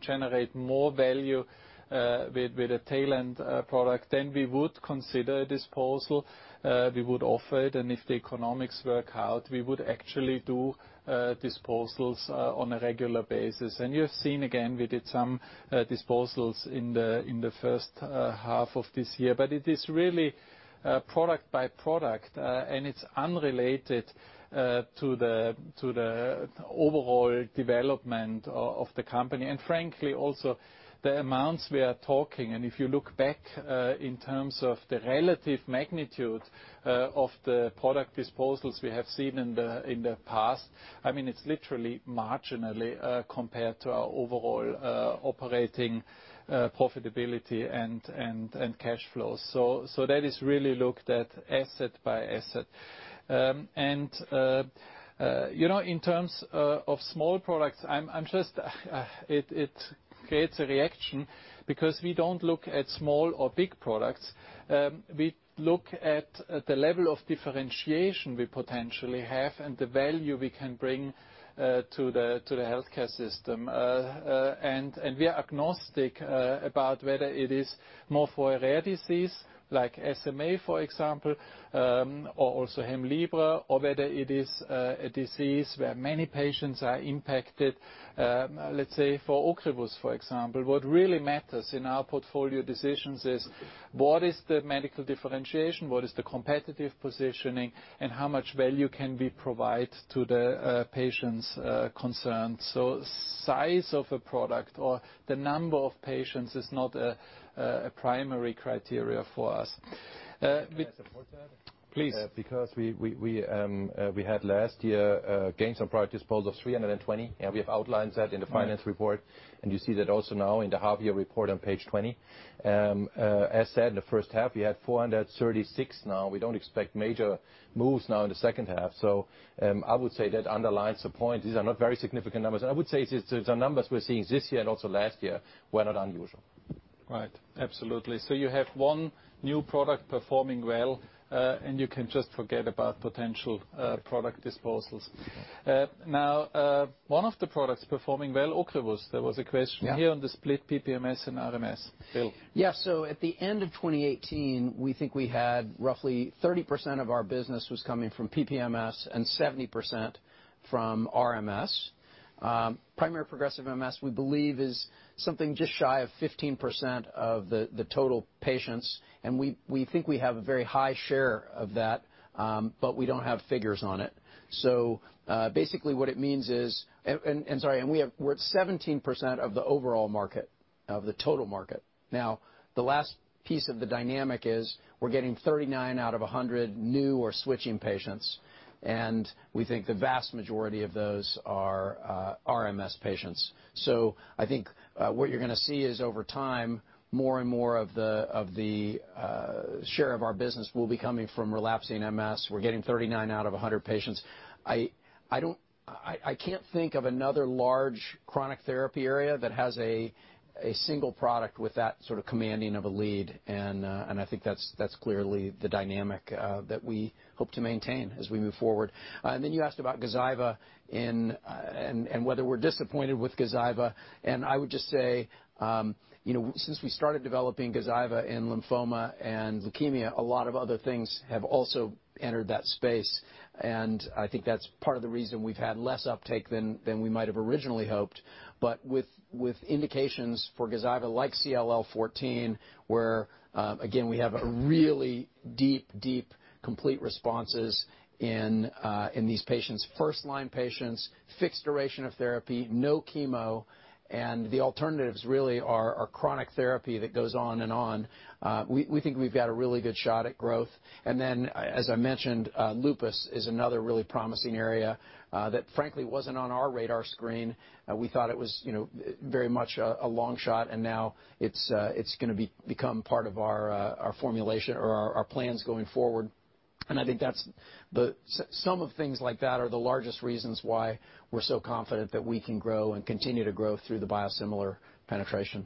generate more value with a tail-end product, then we would consider a disposal. We would offer it, and if the economics work out, we would actually do disposals on a regular basis. You have seen again, we did some disposals in the first half of this year. It is really product by product, and it's unrelated to the overall development of the company, and frankly, also the amounts we are talking. If you look back in terms of the relative magnitude of the product disposals we have seen in the past, it's literally marginally compared to our overall operating profitability and cash flows. That is really looked at asset by asset. In terms of small products, it creates a reaction because we don't look at small or big products. We look at the level of differentiation we potentially have and the value we can bring to the healthcare system. We are agnostic about whether it is more for a rare disease like SMA, for example, or also HEMLIBRA, or whether it is a disease where many patients are impacted, let's say for Ocrevus, for example. What really matters in our portfolio decisions is what is the medical differentiation, what is the competitive positioning, and how much value can we provide to the patients concerned. size of a product or the number of patients is not a primary criteria for us. Can I support that? Please. We had last year gained some product disposals, 320, and we have outlined that in the finance report. You see that also now in the half year report on page 20. As said, in the first half, we had 436 now. We don't expect major moves now in the second half. I would say that underlines the point. These are not very significant numbers. I would say the numbers we're seeing this year and also last year were not unusual. Right. Absolutely. You have one new product performing well, and you can just forget about potential product disposals. One of the products performing well, Ocrevus, there was a question here on the split PPMS and RMS. Bill? At the end of 2018, we think we had roughly 30% of our business was coming from PPMS and 70% from RMS. Primary progressive MS, we believe, is something just shy of 15% of the total patients, and we think we have a very high share of that, we don't have figures on it. Basically, what it means is, sorry, we're at 17% of the overall market, of the total market. The last piece of the dynamic is we're getting 39 out of 100 new or switching patients, we think the vast majority of those are RMS patients. I think what you're going to see is over time, more and more of the share of our business will be coming from relapsing MS. We're getting 39 out of 100 patients. I can't think of another large chronic therapy area that has a single product with that sort of commanding of a lead, and I think that's clearly the dynamic that we hope to maintain as we move forward. Then you asked about GAZYVA and whether we're disappointed with GAZYVA, and I would just say, since we started developing GAZYVA in lymphoma and leukemia, a lot of other things have also entered that space, and I think that's part of the reason we've had less uptake than we might have originally hoped. With indications for GAZYVA like CLL14, where again, we have really deep complete responses in these patients, first line patients, fixed duration of therapy, no chemo, and the alternatives really are chronic therapy that goes on and on. We think we've got a really good shot at growth. As I mentioned, lupus is another really promising area, that frankly, wasn't on our radar screen. We thought it was very much a long shot, and now it's going to become part of our formulation or our plans going forward. I think some of things like that are the largest reasons why we're so confident that we can grow and continue to grow through the biosimilar penetration.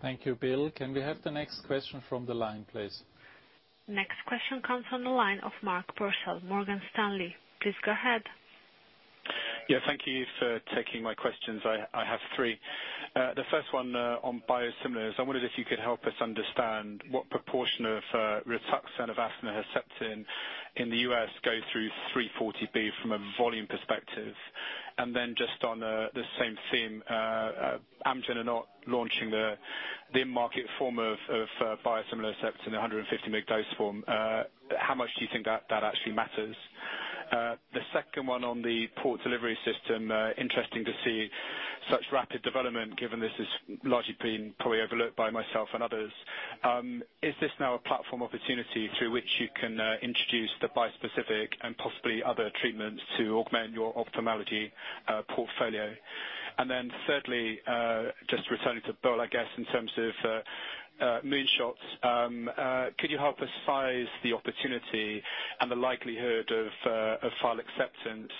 Thank you, Bill. Can we have the next question from the line, please? Next question comes from the line of Mark Purcell, Morgan Stanley. Please go ahead. Yeah, thank you for taking my questions. I have three. The first one on biosimilars. I wondered if you could help us understand what proportion of RITUXAN, Avastin, and Herceptin in the U.S. go through 340B from a volume perspective. Just on the same theme, Amgen are not launching the market form of biosimilar Herceptin in 150 mg dose form. How much do you think that actually matters? The second one on the Port Delivery System, interesting to see such rapid development given this has largely been probably overlooked by myself and others. Is this now a platform opportunity through which you can introduce the bispecific and possibly other treatments to augment your ophthalmology portfolio? Thirdly, just returning to Bill, I guess in terms of moon shots. Could you help us size the opportunity and the likelihood of file acceptance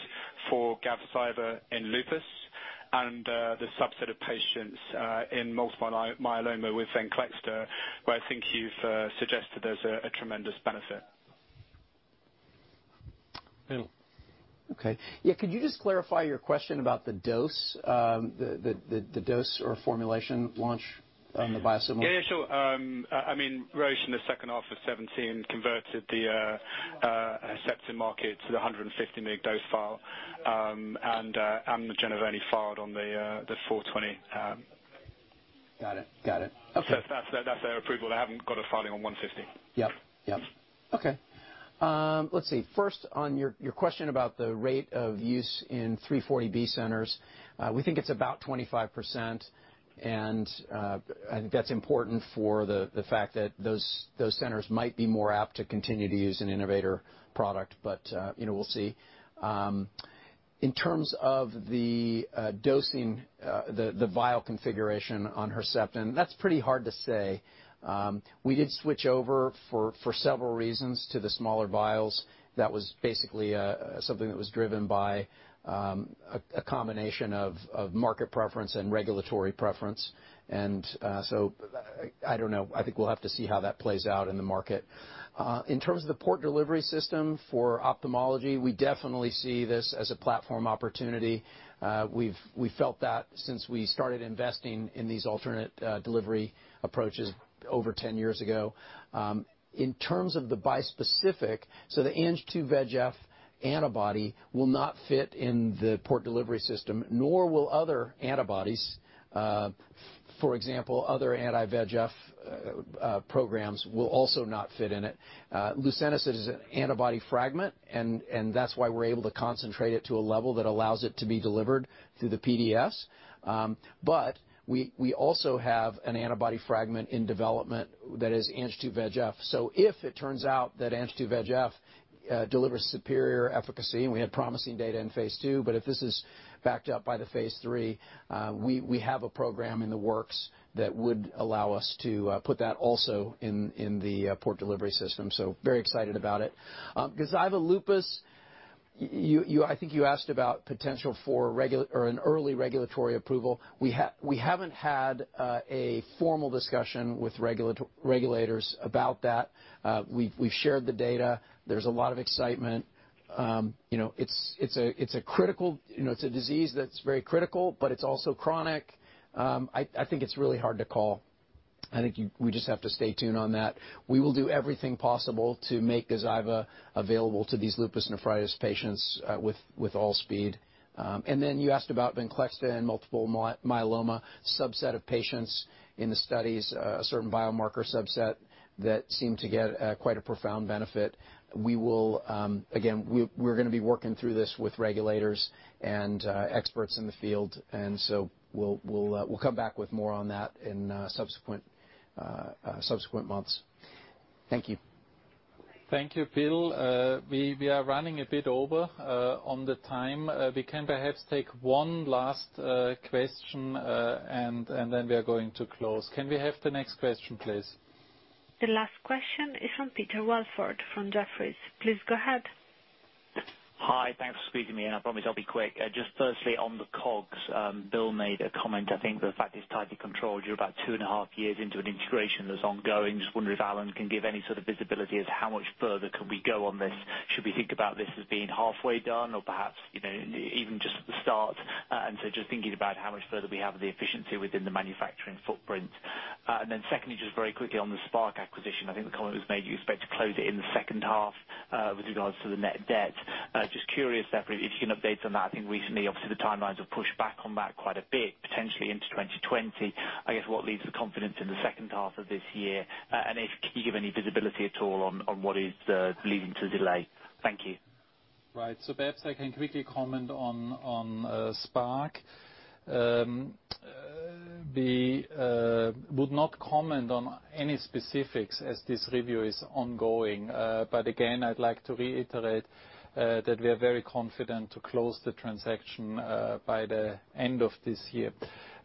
for GAZYVA in lupus? The subset of patients in multiple myeloma with VENCLEXTA, where I think you've suggested there's a tremendous benefit. Bill? Okay. Yeah, could you just clarify your question about the dose or formulation launch on the biosimilar? Sure. Roche, in the second half of 2017, converted the Herceptin market to the 150 mg dose vial. Amgen have only filed on the 420. Got it. Okay. That's their approval. They haven't got a filing on 150. Yep. Okay. Let's see, first on your question about the rate of use in 340B centers, we think it's about 25%. That's important for the fact that those centers might be more apt to continue to use an innovator product. We'll see. In terms of the dosing, the vial configuration on Herceptin, that's pretty hard to say. We did switch over, for several reasons, to the smaller vials. That was basically something that was driven by a combination of market preference and regulatory preference. I don't know. I think we'll have to see how that plays out in the market. In terms of the Port Delivery System for ophthalmology, we definitely see this as a platform opportunity. We've felt that since we started investing in these alternate delivery approaches over 10 years ago. In terms of the bispecific, the Ang-2 VEGF antibody will not fit in the Port Delivery System, nor will other antibodies. For example, other anti-VEGF programs will also not fit in it. LUCENTIS is an antibody fragment, that's why we're able to concentrate it to a level that allows it to be delivered through the PDS. We also have an antibody fragment in development that is Ang-2 VEGF. If it turns out that Ang-2 VEGF delivers superior efficacy, we had promising data in phase II, if this is backed up by the phase III, we have a program in the works that would allow us to put that also in the Port Delivery System. Very excited about it. GAZYVA lupus, I think you asked about potential for an early regulatory approval. We haven't had a formal discussion with regulators about that. We've shared the data. There's a lot of excitement. It's a disease that's very critical, but it's also chronic. I think it's really hard to call. I think we just have to stay tuned on that. We will do everything possible to make GAZYVA available to these lupus nephritis patients with all speed. Then you asked about VENCLEXTA and multiple myeloma subset of patients in the studies, a certain biomarker subset that seemed to get quite a profound benefit. Again, we're going to be working through this with regulators and experts in the field. So we'll come back with more on that in subsequent months. Thank you. Thank you, Bill. We are running a bit over on the time. We can perhaps take one last question, and then we are going to close. Can we have the next question, please? The last question is from Peter Welford from Jefferies. Please go ahead. Hi, thanks for squeezing me in. I promise I'll be quick. Firstly, on the COGS, Bill made a comment, I think the fact it's tightly controlled, you're about two and a half years into an integration that's ongoing. I just wonder if Alan can give any sort of visibility as how much further can we go on this. Should we think about this as being halfway done or perhaps even just at the start? Just thinking about how much further we have the efficiency within the manufacturing footprint. Secondly, just very quickly on the Spark acquisition. I think the comment was made, you expect to close it in the second half with regards to the net debt. I'm just curious separately if you can update on that. I think recently, obviously, the timelines have pushed back on that quite a bit, potentially into 2020. I guess what leads the confidence in the second half of this year? If can you give any visibility at all on what is leading to the delay? Thank you. Right. Perhaps I can quickly comment on Spark. We would not comment on any specifics as this review is ongoing. Again, I'd like to reiterate that we are very confident to close the transaction by the end of this year.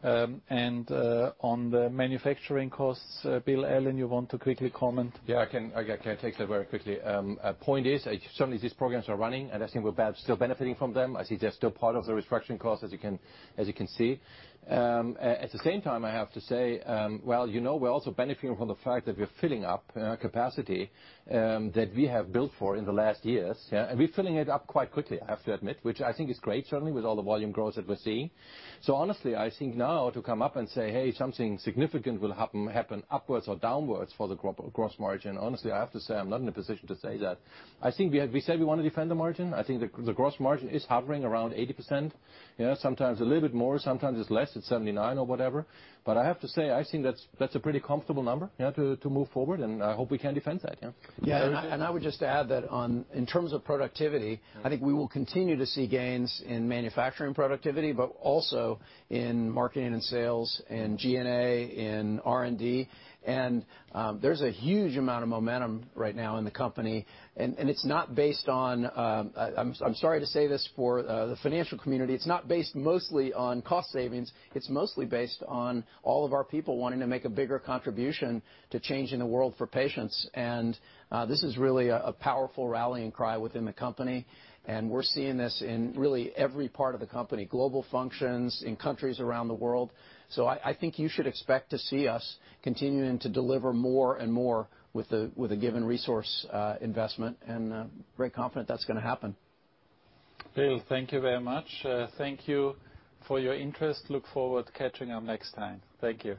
On the manufacturing costs, Bill, Alan, you want to quickly comment? Yeah, I can take that very quickly. Point is, certainly these programs are running, and I think we're still benefiting from them. I see they're still part of the restructuring costs, as you can see. At the same time, I have to say, well, we're also benefiting from the fact that we're filling up capacity that we have built for in the last years. We're filling it up quite quickly, I have to admit, which I think is great, certainly with all the volume growth that we're seeing. Honestly, I think now to come up and say, "Hey, something significant will happen upwards or downwards for the gross margin," honestly, I have to say I'm not in a position to say that. We said we want to defend the margin. I think the gross margin is hovering around 80%. Sometimes a little bit more, sometimes it's less at 79 or whatever. I have to say, I think that's a pretty comfortable number to move forward, and I hope we can defend that, yeah. I would just add that in terms of productivity, I think we will continue to see gains in manufacturing productivity, but also in marketing and sales, in G&A, in R&D. There's a huge amount of momentum right now in the company, I'm sorry to say this for the financial community, it's not based mostly on cost savings. It's mostly based on all of our people wanting to make a bigger contribution to changing the world for patients. This is really a powerful rallying cry within the company, and we're seeing this in really every part of the company, global functions, in countries around the world. I think you should expect to see us continuing to deliver more and more with a given resource investment, and I'm very confident that's going to happen. Bill, thank you very much. Thank you for your interest. Look forward to catching up next time. Thank you.